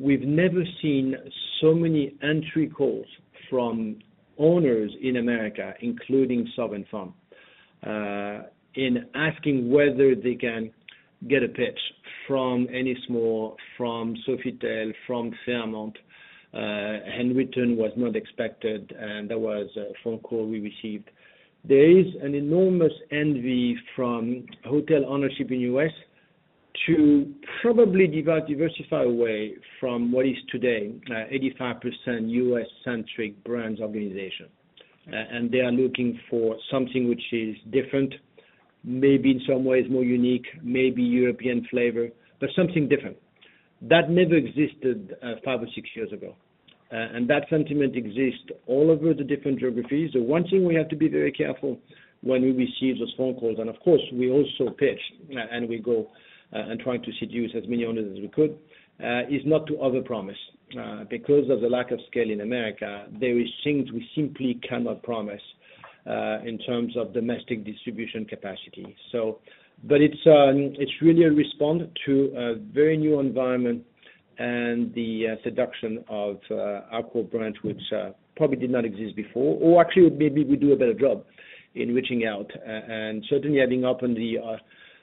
we've never seen so many entry calls from owners in America, including sovereign firm in, asking whether they can get a pitch from any small, from Sofitel, from Fairmont. Handwritten was not expected and that was a phone call we received. There is an enormous envy from hotel ownership in U.S. to probably diversify away from what is today 85% U.S.-centric brands organization. They are looking for something which is different, maybe in some ways more unique, maybe European flavor, but something different that never existed five or six years ago. That sentiment exists all over the different geographies. The one thing we have to be very careful when we receive those phone calls, and of course we also pitch and we go and try to seduce as many owners as we could, is not to overpromise because of the lack of scale in America. There are things we simply cannot promise in terms of domestic distribution capacity. It is really a response to a very new environment and the seduction of Accor brands, which probably did not exist before. Or actually maybe we do a better job in reaching out. Certainly, having opened the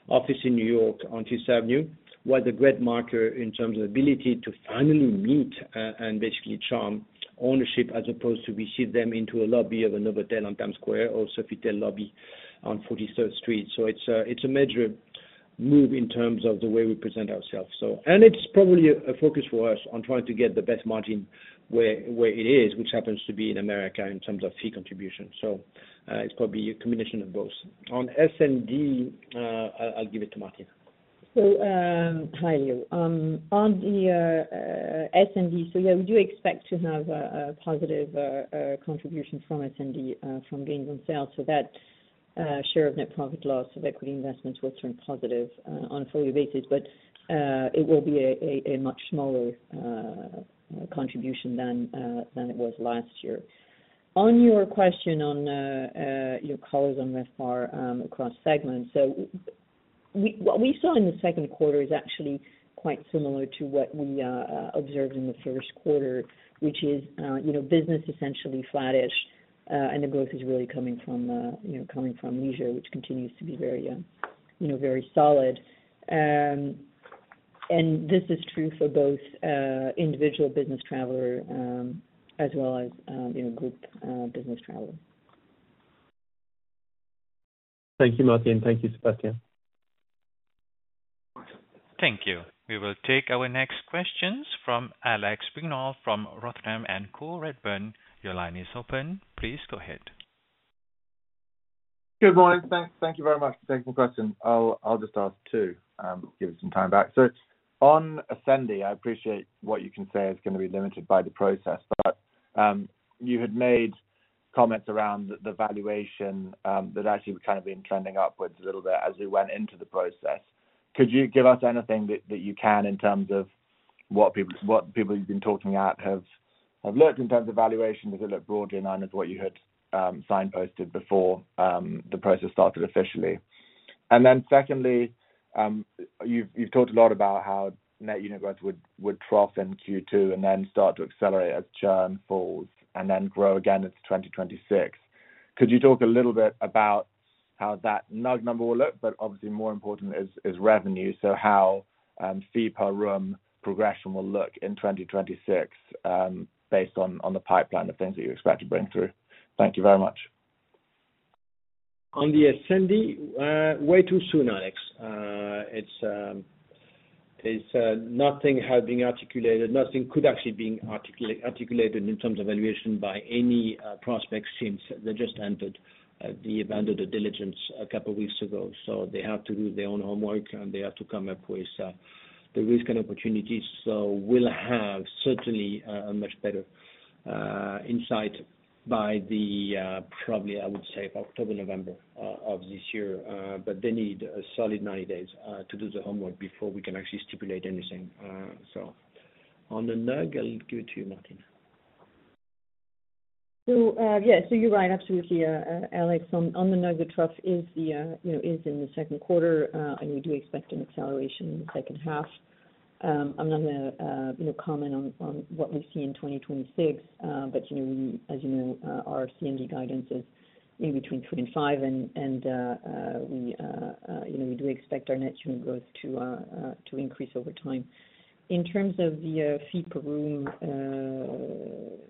office in New York on Fifth Avenue was a great marker in terms of ability to finally meet and basically charm ownership as opposed to receive them into a lobby of a Novotel on Times Square or Sofitel lobby on 43rd Street. It is a major move in terms of the way we present ourselves and it is probably a focus for us on trying to get the best margin where it is, which happens to be in America in terms of fee contribution. It is probably a combination of both. On Essendi, I'll give it to Martine. Hi Leo, on the Essendi, we do expect to have a positive contribution from Essendi from gains on sales. That share of net profit, loss of equity investments, will turn positive on a full year basis, but it will be a much smaller contribution than it was last year. On your question, on your colors on RevPAR across segments, what we saw in the second quarter is actually quite similar to what we observed in the first quarter, which is business essentially flattish, and the growth is really coming from leisure, which continues to be very solid, and this is true for both individual business traveler as well as group business traveler. Thank you Martine. Thank you Sébastien. Thank you. We will take our next questions from Alex Brignall from Rothschild & Co Redburn . Your line is open. Please go ahead. Good morning. Thank you very much for taking the question. I'll just ask two, give us some time back. On Essendi, I appreciate what you can say is going to be limited by the process, but you had made comments around the valuation that actually kind of been trending upwards a little bit as we went into the process. Could you give us anything that you can in terms of what people you've been talking about have looked in terms of valuation, does it look broadly in line with what you had signposted before the process started officially? Secondly, you've talked a lot about how net unit growth would trough in Q2 and then start to accelerate as churn falls and then grow again into 2026. Could you talk a little bit about how that NUG number will look? Obviously more important is revenue. How fee per room progression will look in 2026 based on the pipeline of things that you expect to bring through. Thank you very much. On the Essendi, way too soon, Alex, nothing has been articulated, nothing could actually be articulated in terms of valuation by any prospect since they just entered the vendor due diligence a couple weeks ago. They have to do their own homework and they have to come up with the risk and opportunities. We'll have certainly a much better insight by the probably, I would say, October, November of this year, but they need a solid 90 days to do the homework before we can actually stipulate anything. On the NUG, I'll give it to you, Martine. Yes, so you're right. Absolutely Alex. On the NUG the trough is in the second quarter and we do expect an acceleration in the second half. I'm not going to comment on what we see in 2026. As you know, our CMD guidance is in between 3 and 5. We do expect our net unit growth to increase over time. In terms of the fee per room,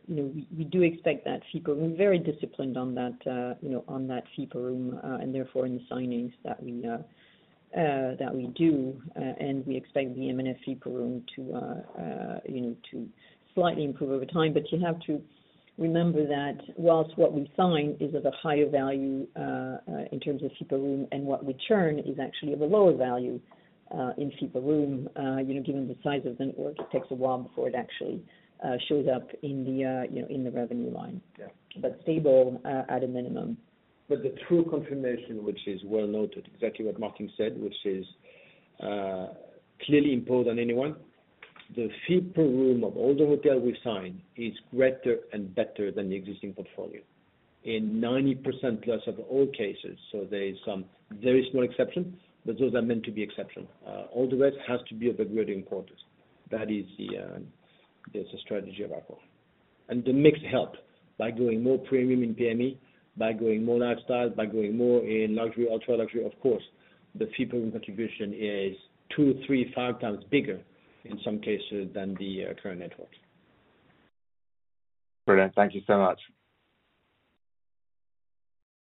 we do expect that fee per room. We're very disciplined on that fee per room, and therefore in the signings that we do, we expect the M&F fee per room to slightly improve over time. You have to remember that whilst what we sign is of a higher value in terms of fee per room and what we churn is actually of a lower value in fee per room, given the size of the network, it takes a while before it actually shows up in the revenue line, but stable at a minimum. The true confirmation, which is well noted, exactly what Martine said, which is clearly imposed on anyone, the fee per room of all the hotels we sign is greater and better than the existing portfolio in 90%+ of all cases. There are some very small exceptions, but those are meant to be exceptions. All the rest has to be of a greater importance. That is the strategy of ours and the mix helps. By going more premium in premium, by going more lifestyle, by going more in luxury, ultra luxury. Of course, the fee per contribution is two, three, five times bigger in some cases than the current network. Brilliant. Thank you so much.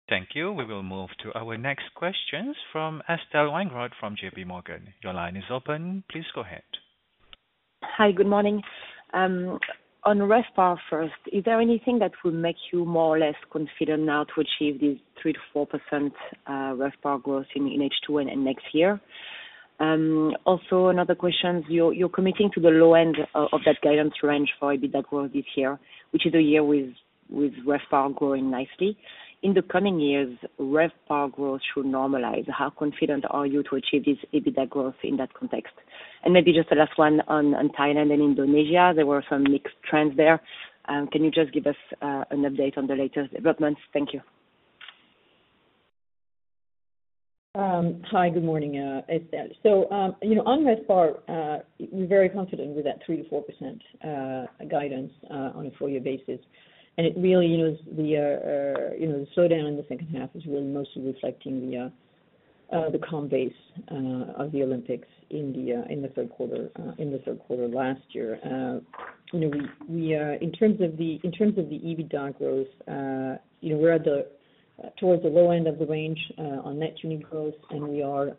Thank you. We will move to our next questions from Estelle Weingrod from JPMorgan. Your line is open. Please go ahead. Hi, good morning on RevPAR. First, is there anything that will make you more or less confident now to achieve these 3%-4% RevPAR growth in H2 and next year? Also another question, you're committing to the. Low end of that guidance range for. EBITDA growth this year, which is a year with RevPAR growing nicely. In the coming years, RevPAR growth should normalize. How confident are you to achieve this EBITDA growth in that context? And maybe just the last one on Thailand and Indonesia, there were some mixed trends there. Can you just give us an update on the latest developments? Thank you. Hi, good morning, Estelle. So, you know, on RevPAR we're very confident with that 3%-4% guidance on a full year basis. It really, you know, the slowdown in the second half is really mostly reflecting the comp base of the Olympics in the third quarter last year. In terms of the EBITDA growth, we're towards the low end of the range on net unit growth and we are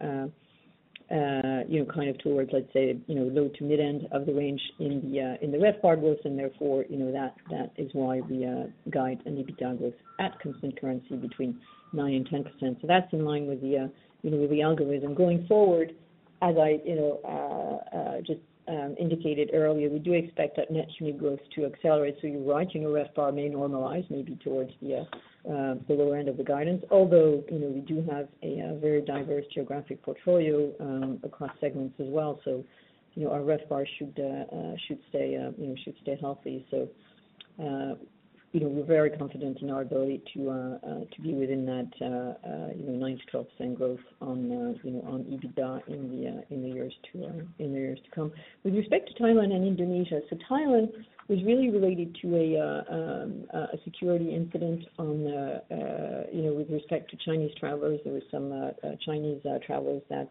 kind of towards, let's say, low to mid end of the range in the RevPAR growth. Therefore, that is why we guide an EBITDA growth at constant currency between 9%-10%. That's in line with the algorithm going forward. As I just indicated earlier, we do expect that net unit growth to accelerate. You're right, RevPAR may normalize maybe towards the lower end of the guidance. Although we do have a very diverse geographic portfolio across segments as well, so our RevPAR should, should stay, you know, should stay healthy. We're very confident in our ability to be within that 9%-12% growth on EBITDA in the years to come. With respect to Thailand and Indonesia, Thailand was really related to a security incident. With respect to Chinese travelers, there were some Chinese travelers that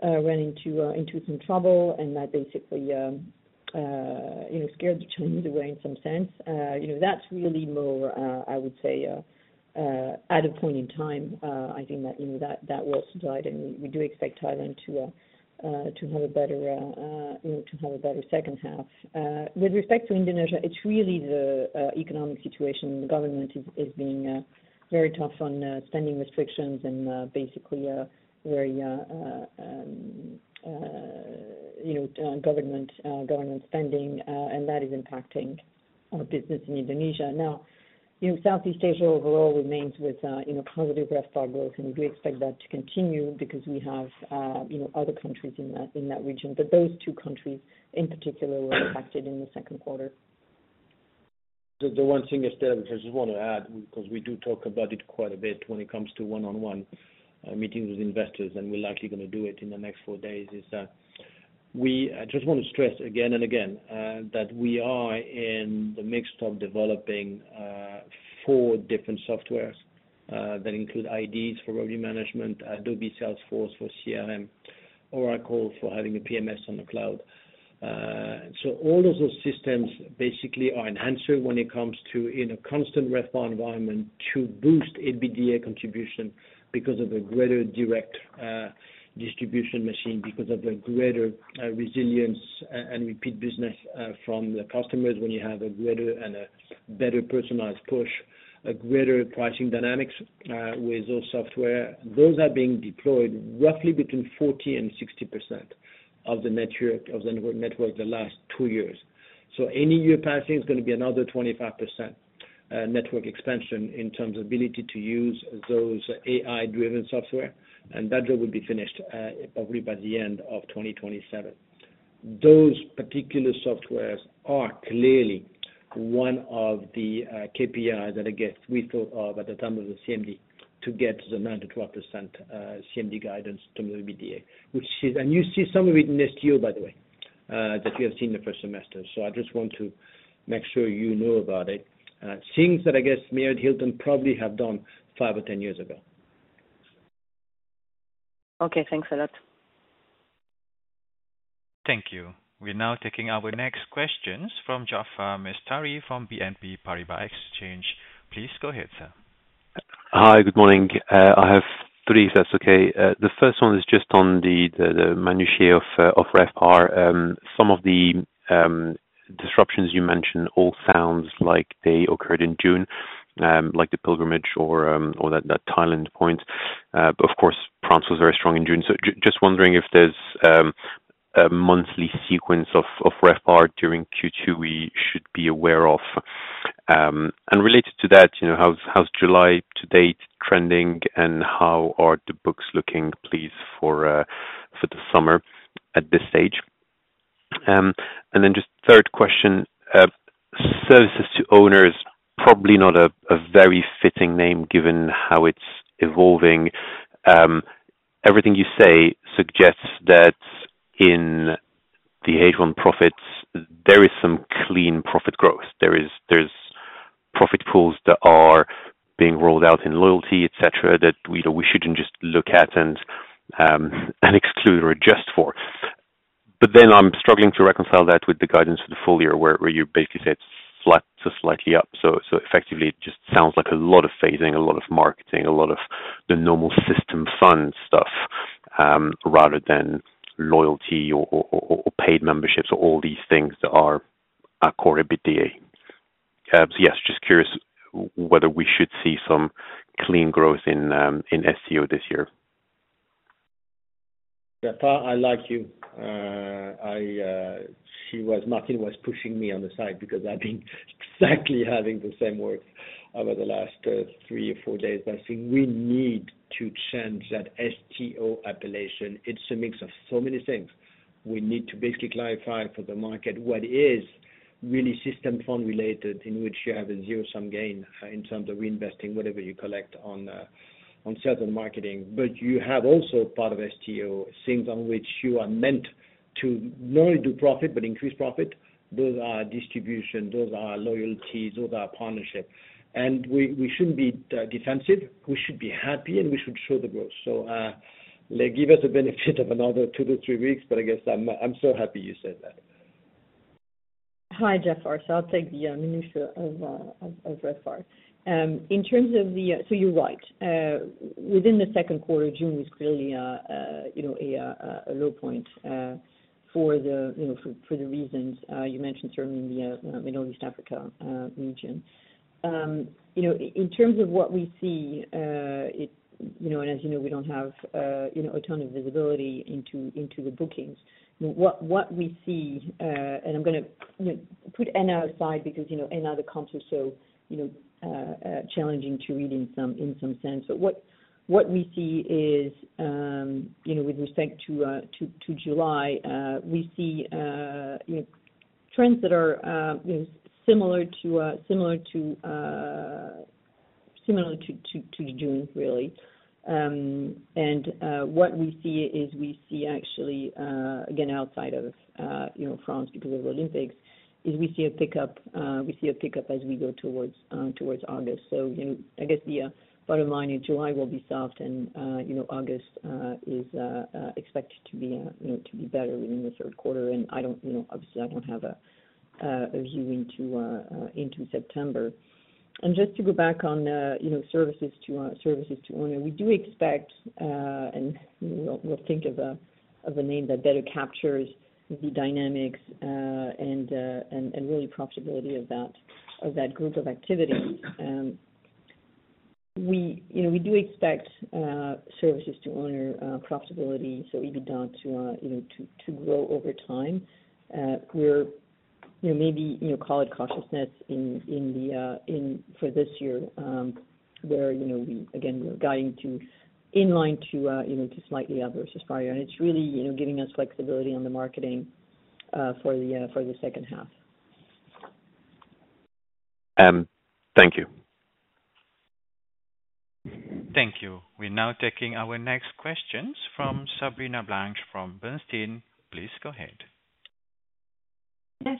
ran into some trouble and that basically, you know, scared the Chinese away in some sense. That's really more, I would say, at a point in time, I think that was. We do expect Thailand to have a better second half. With respect to Indonesia, it's really the economic situation, the government is being very tough on spending restrictions and basically very government spending and that is impacting our business in Indonesia. Now Southeast Asia overall remains with positive RevPAR growth and we expect that to continue because we have other countries in that region. Those two countries in particular were impacted in the second quarter. The one thing Estelle, which I just want to add because we do talk about it quite a bit when it comes to one on one meetings with investors and we're likely going to do it in the next four days, is that we just want to stress again and again that we are in the mixture of developing four different softwares that include IDs for revenue management, Adobe, Salesforce for CRM, or Accor for having a PMS on the cloud. All of those systems basically are enhancer when it comes to in a constant RevPAR environment to boost EBITDA contribution because of a greater direct distribution machine, because of a greater resilience and repeat business from the customers. When you have a greater and a better personalized push, a greater pricing dynamics with those software. Those are being deployed roughly between 40%-60% of the network the last two years. Any year passing is going to be another 25% network expansion in terms of ability to use those AI driven software. That job will be finished probably by the end of 2027. Those particular softwares are clearly one of the KPIs that I guess we thought of at the time of the CMD to get the 9%-12% CMD guidance to the EBITDA, which is. You see some of it in STO, by the way, that you have seen the first semester. I just want to make sure you know about it. Things that I guess mayor at Hilton probably have done five or 10 years ago. Okay, thanks a lot. Thank you. We're now taking our next questions from Jaafar Mestari from BNP Paribas exchange. Please go ahead, sir. Hi, good morning. I have three. That's okay. The first one is just on the minutia of RevPAR. Some of the disruptions you mentioned all sounds like they occurred in June, like the pilgrimage or that Thailand point. Of course France was very strong in June. Just wondering if there's a monthly sequence of RevPAR during Q2 we should be aware of. Related to that, you know, how's July to date trending and how are the books looking please for the summer at this stage? Then just third question, services to owners probably not a very fitting name given how it's evolving. Everything you say suggests that in the H1 profits there is some clean profit growth. There's profit pools that are being rolled out in loyalty etc. that we shouldn't just look at and exclude or adjust for. I'm struggling to reconcile that with the guidance for the full year where you basically said to slightly up so effectively it just sounds like a lot of phasing, a lot of marketing, a lot of the normal system fund stuff rather than loyalty or paid memberships or all these things are Accor EBITDA. Yes. Just curious whether we should see some clean growth in STO this year. I like you, I see what Martine was pushing me on the side because I've been exactly having the same work over the last three or four days. I think we need to change that STO appellation. It's a mix of so many things. We need to basically clarify for the market what is really system fund related in which you have a zero sum gain in terms of reinvesting whatever you collect on sales and marketing, but you have also part of STO things on which you are meant to not only do profit but increase profit. Those are distribution, those are loyalties, those are partnership. We shouldn't be defensive, we should be happy and we should show the growth. Give us a benefit of another two to three weeks. I guess I'm so happy you said that. Hi Jaafar. I'll take the minutia of RevPAR in terms of the—so you're right. Within the second quarter, June is clearly, you know, a low point for the, you know, for the reasons you mentioned. Certainly the Middle East, Africa region, you know, in terms of what we see it and as you know we don't have a ton of visibility into the bookings. What we see—and I'm going to put ENA aside because, na, the comps are so challenging to read in some sense. What we see is with respect to July, we see trends that are similar to June, really. What we see is we see actually, again, outside of France because of the Olympics, we see a pickup. We see a pickup as we go towards August. I guess the bottom line is July will be soft and August is expected to be better in the third quarter. I don't have a view into September. Just to go back on services to owner, we do expect—and we'll think of a name that better captures the dynamics and really profitability of that group of activities—we do expect services to owner profitability, so EBITDA, to grow over time. Maybe call it cautiousness for this year where, again, we're guiding to in line to slightly up versus prior, and it's really giving us flexibility on the marketing for the second half. Thank you. Thank you. We're now taking our next questions from Sabrina Blanc from Bernstein. Please go ahead. Yes,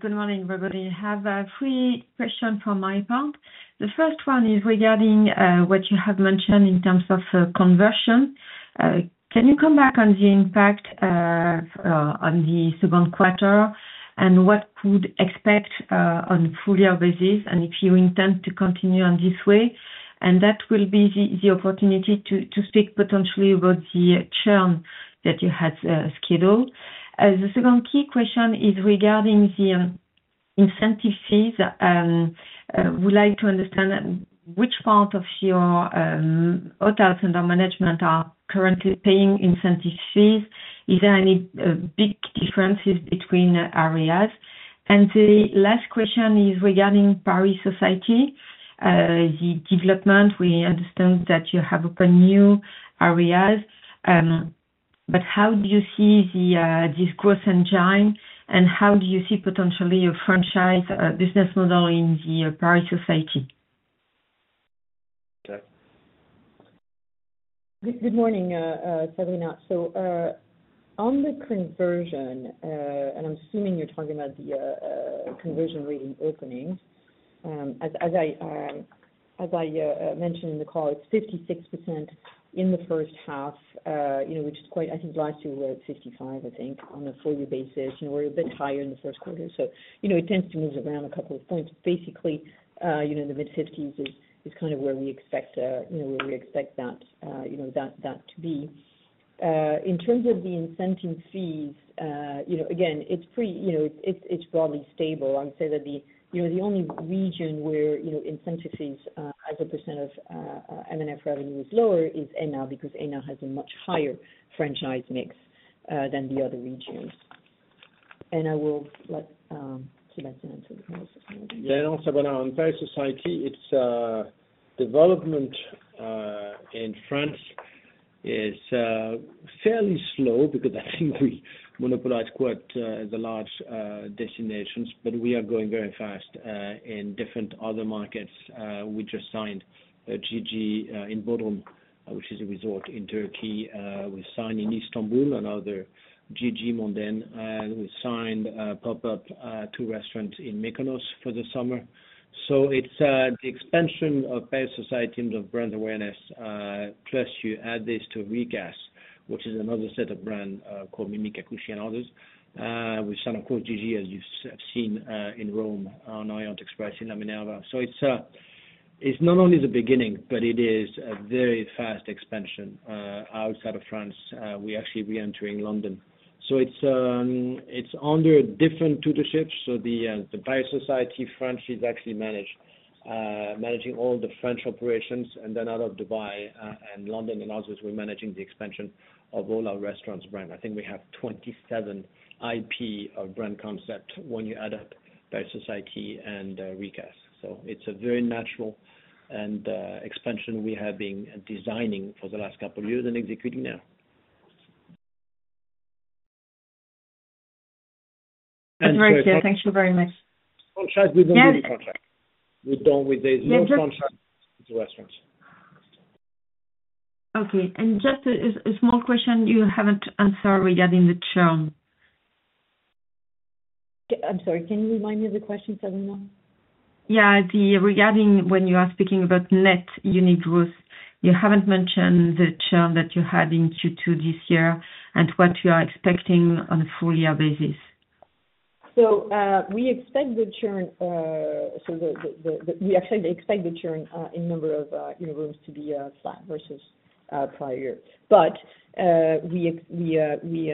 good morning everybody. I have three questions from my part. The first one is regarding what you have mentioned in terms of conversion. Can you come back on the impact on the second quarter and what could be expected on a full year basis, and if you intend to continue on this way, and that will be the opportunity to speak potentially about the churn that you had scheduled. The second key question is regarding the incentive fees. We'd like to understand which part of your hotels under management are currently paying incentive fees. Is there any big differences between areas? The last question is regarding Paris Society, the development. We understand that you have opened new areas, but how do you see this growth engine and how do you see potentially a franchise business model in the Paris Society? Good morning, Sabrina. On the conversion, and I'm assuming you're talking about the conversion rate in opening, as I mentioned in the call, it's 56% in the first half, which is quite, I think last year we were at 55%. I think on a full year basis, we're a bit higher in the first quarter. It tends to move around a couple of points. Basically, the mid-50% is kind of where we expect that to be. In terms of the incentive fees, again, it's pretty, it's broadly stable. I would say that the only region where incentive fees as a percent of M&F revenue is lower is ENA because ENA has a much higher franchise mix than the other regions. I will. Say on Paris Society, its development in France is fairly slow because I think we monopolize quite the large destinations, but we are going very fast in different other markets. We just signed Gigi in Bodrum, which is a resort in Turkey. We signed in Istanbul, another Gigi Mondaine, and we signed pop-up two restaurants in Mykonos for the summer. So it is the expansion of Paris Society, of brand awareness. Plus you add this to Rikas, which is another set of brands called Mimi Kakushi and others, with Santa Cruz Gigi as you have seen in Rome, on Orient Express in La Minerva. It is not only the beginning, but it is a very fast expansion. Outside of France, we are actually re-entering London, so it is under different tutorships. The Paris Society front is actually managing all the French operations, and then out of Dubai and London and others, we are managing the expansion of all our restaurant brands. I think we have 27 IP of brand concepts when you add up Paris Society and Rikas. It is a very natural expansion we have been designing for the last couple of years and executing now. Thank you very much. Okay, and just a small question you have not answered regarding the churn. I'm sorry, can you remind me of the question, Sabrina. Yeah. Regarding when you are speaking about net unit growth you haven't mentioned the churn that you had in Q2 this year and what you are expecting on a full year basis. We expect the churn. We actually expect the churn in number of rooms to be flat versus prior year. We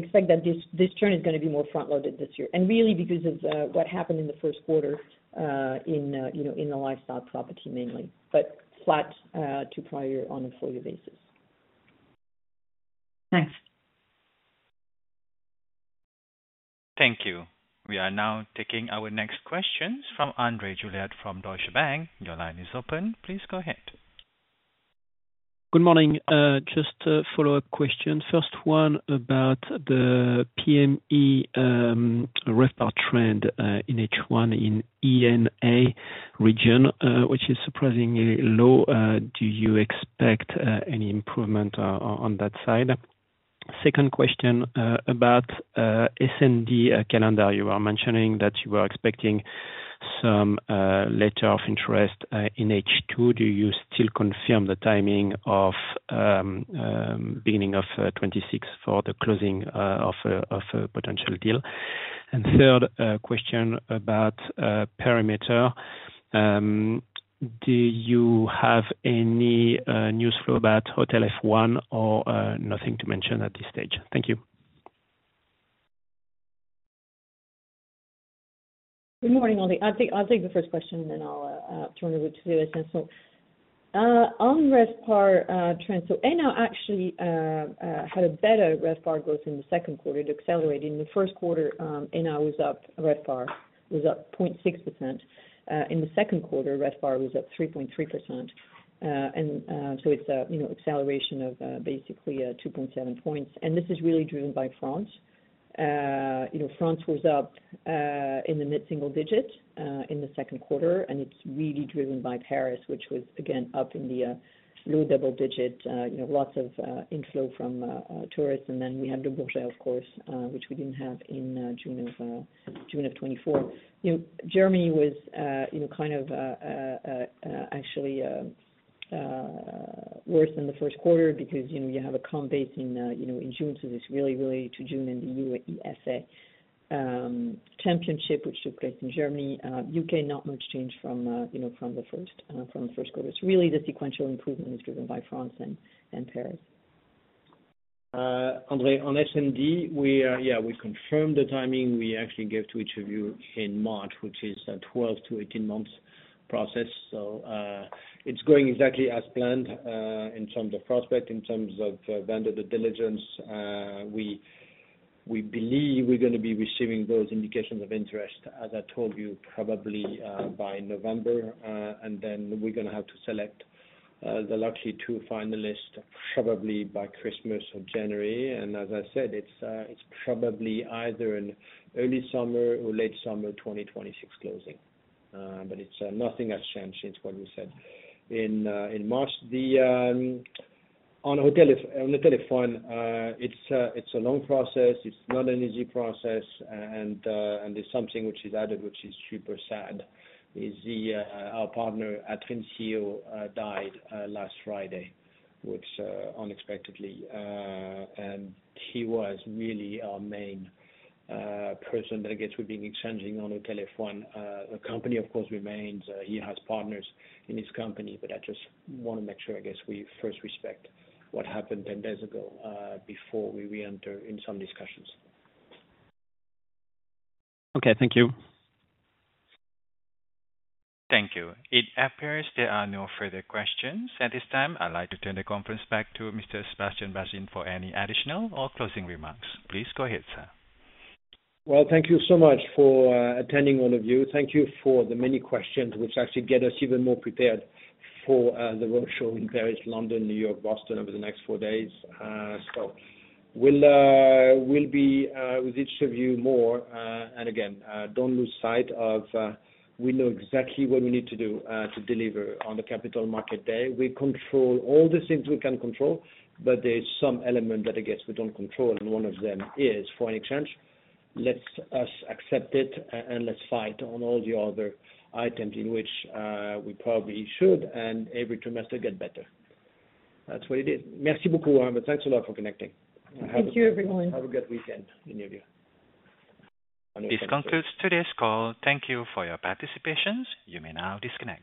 expect that this churn is going to be more front loaded this year and really because of what happened in the first quarter in the lifestyle property mainly but flat to prior on a full year basis. Thanks. Thank you. We are now taking our next questions from André Juillard from Deutsche Bank. Your line is open. Please go ahead. Good morning. Just follow-up question, first one about the PM&E RevPAR trend in H1 in ENA region, which is surprisingly low. Do you expect any improvement on that side? Second question about Essendi calendar. You are mentioning that you are expecting some letter of interest in H2. Do you still confirm the timing of beginning of 2026 for the closing of a potential deal? Third question about parameter. Do you. Have any news flow about HotelF1 or nothing to mention at this stage? Thank you. Good morning. I'll take the first question then I'll turn it over to the essence on RevPAR trends. So ENA actually had a better RevPAR growth in the second quarter. It accelerated in the first quarter. ENA was up, RevPAR was up 0.6% in the second quarter, RevPAR was up 3.3% and so it's an acceleration of basically 2.7 percentage points. And this is really driven by France. You know France was up in the mid single digit in the second quarter and it's really driven by Paris which was again up in the low double digit. Lots of inflow from tourists and then we had the bourgeois course which we didn't have in June of 2024. You know Germany was, you know, kind of actually worse than the first quarter because you know you have a comp base in, you know, in June. So this really, really to June in the UEFA Championship which took place in Germany. U.K. not much change from, you know, from the first, from the first quarter. It's really. The sequential improvement is driven by France and Paris. André on Essendi we confirmed the timing we actually gave to each of you in March, which is a 12-18 months process. It is going exactly as planned in terms of prospect, in terms of vendor due diligence. We believe we are going to be receiving those indications of interest, as I told you, probably by November, and we are going to have to select the likely two finalists probably by Christmas or January. As I said, it is probably either an early summer or late summer 2026 closing. Nothing has changed since what we said in March on hotel. It is a long process, it is not an easy process, and something which is added, which is super sad, is that our partner at Conceal died last Friday, unexpectedly, and he was really our main person that I guess we have been exchanging on HotelF1. The company, of course, remains. He has partners in his company. I just want to make sure, I guess, we first respect what happened 10 days ago before we reenter in some discussions. Okay, thank you. Thank you. It appears there are no further questions at this time. I'd like to turn the conference back to Mr. Sébastien Bazin for any additional or closing remarks. Please go ahead sir. Thank you so much for attending, all of you. Thank you for the many questions, which actually get us even more prepared for the roadshow in Paris, London, New York, Boston, over the next four days. We will be with each of you more. Again, do not lose sight of we know exactly what we need to do to deliver on the capital market day. We control all the things we can control, but there is some element that I guess we do not control. One of them is foreign exchange. Let us accept it and let's fight on all the other items in which we probably should. Every trimester, get better. That is what it is. Merci beaucoup Arma. Thanks a lot for connecting. Thank you, everyone. Have a good weekend, many of you. This concludes today's call. Thank you for your participation. You may now disconnect.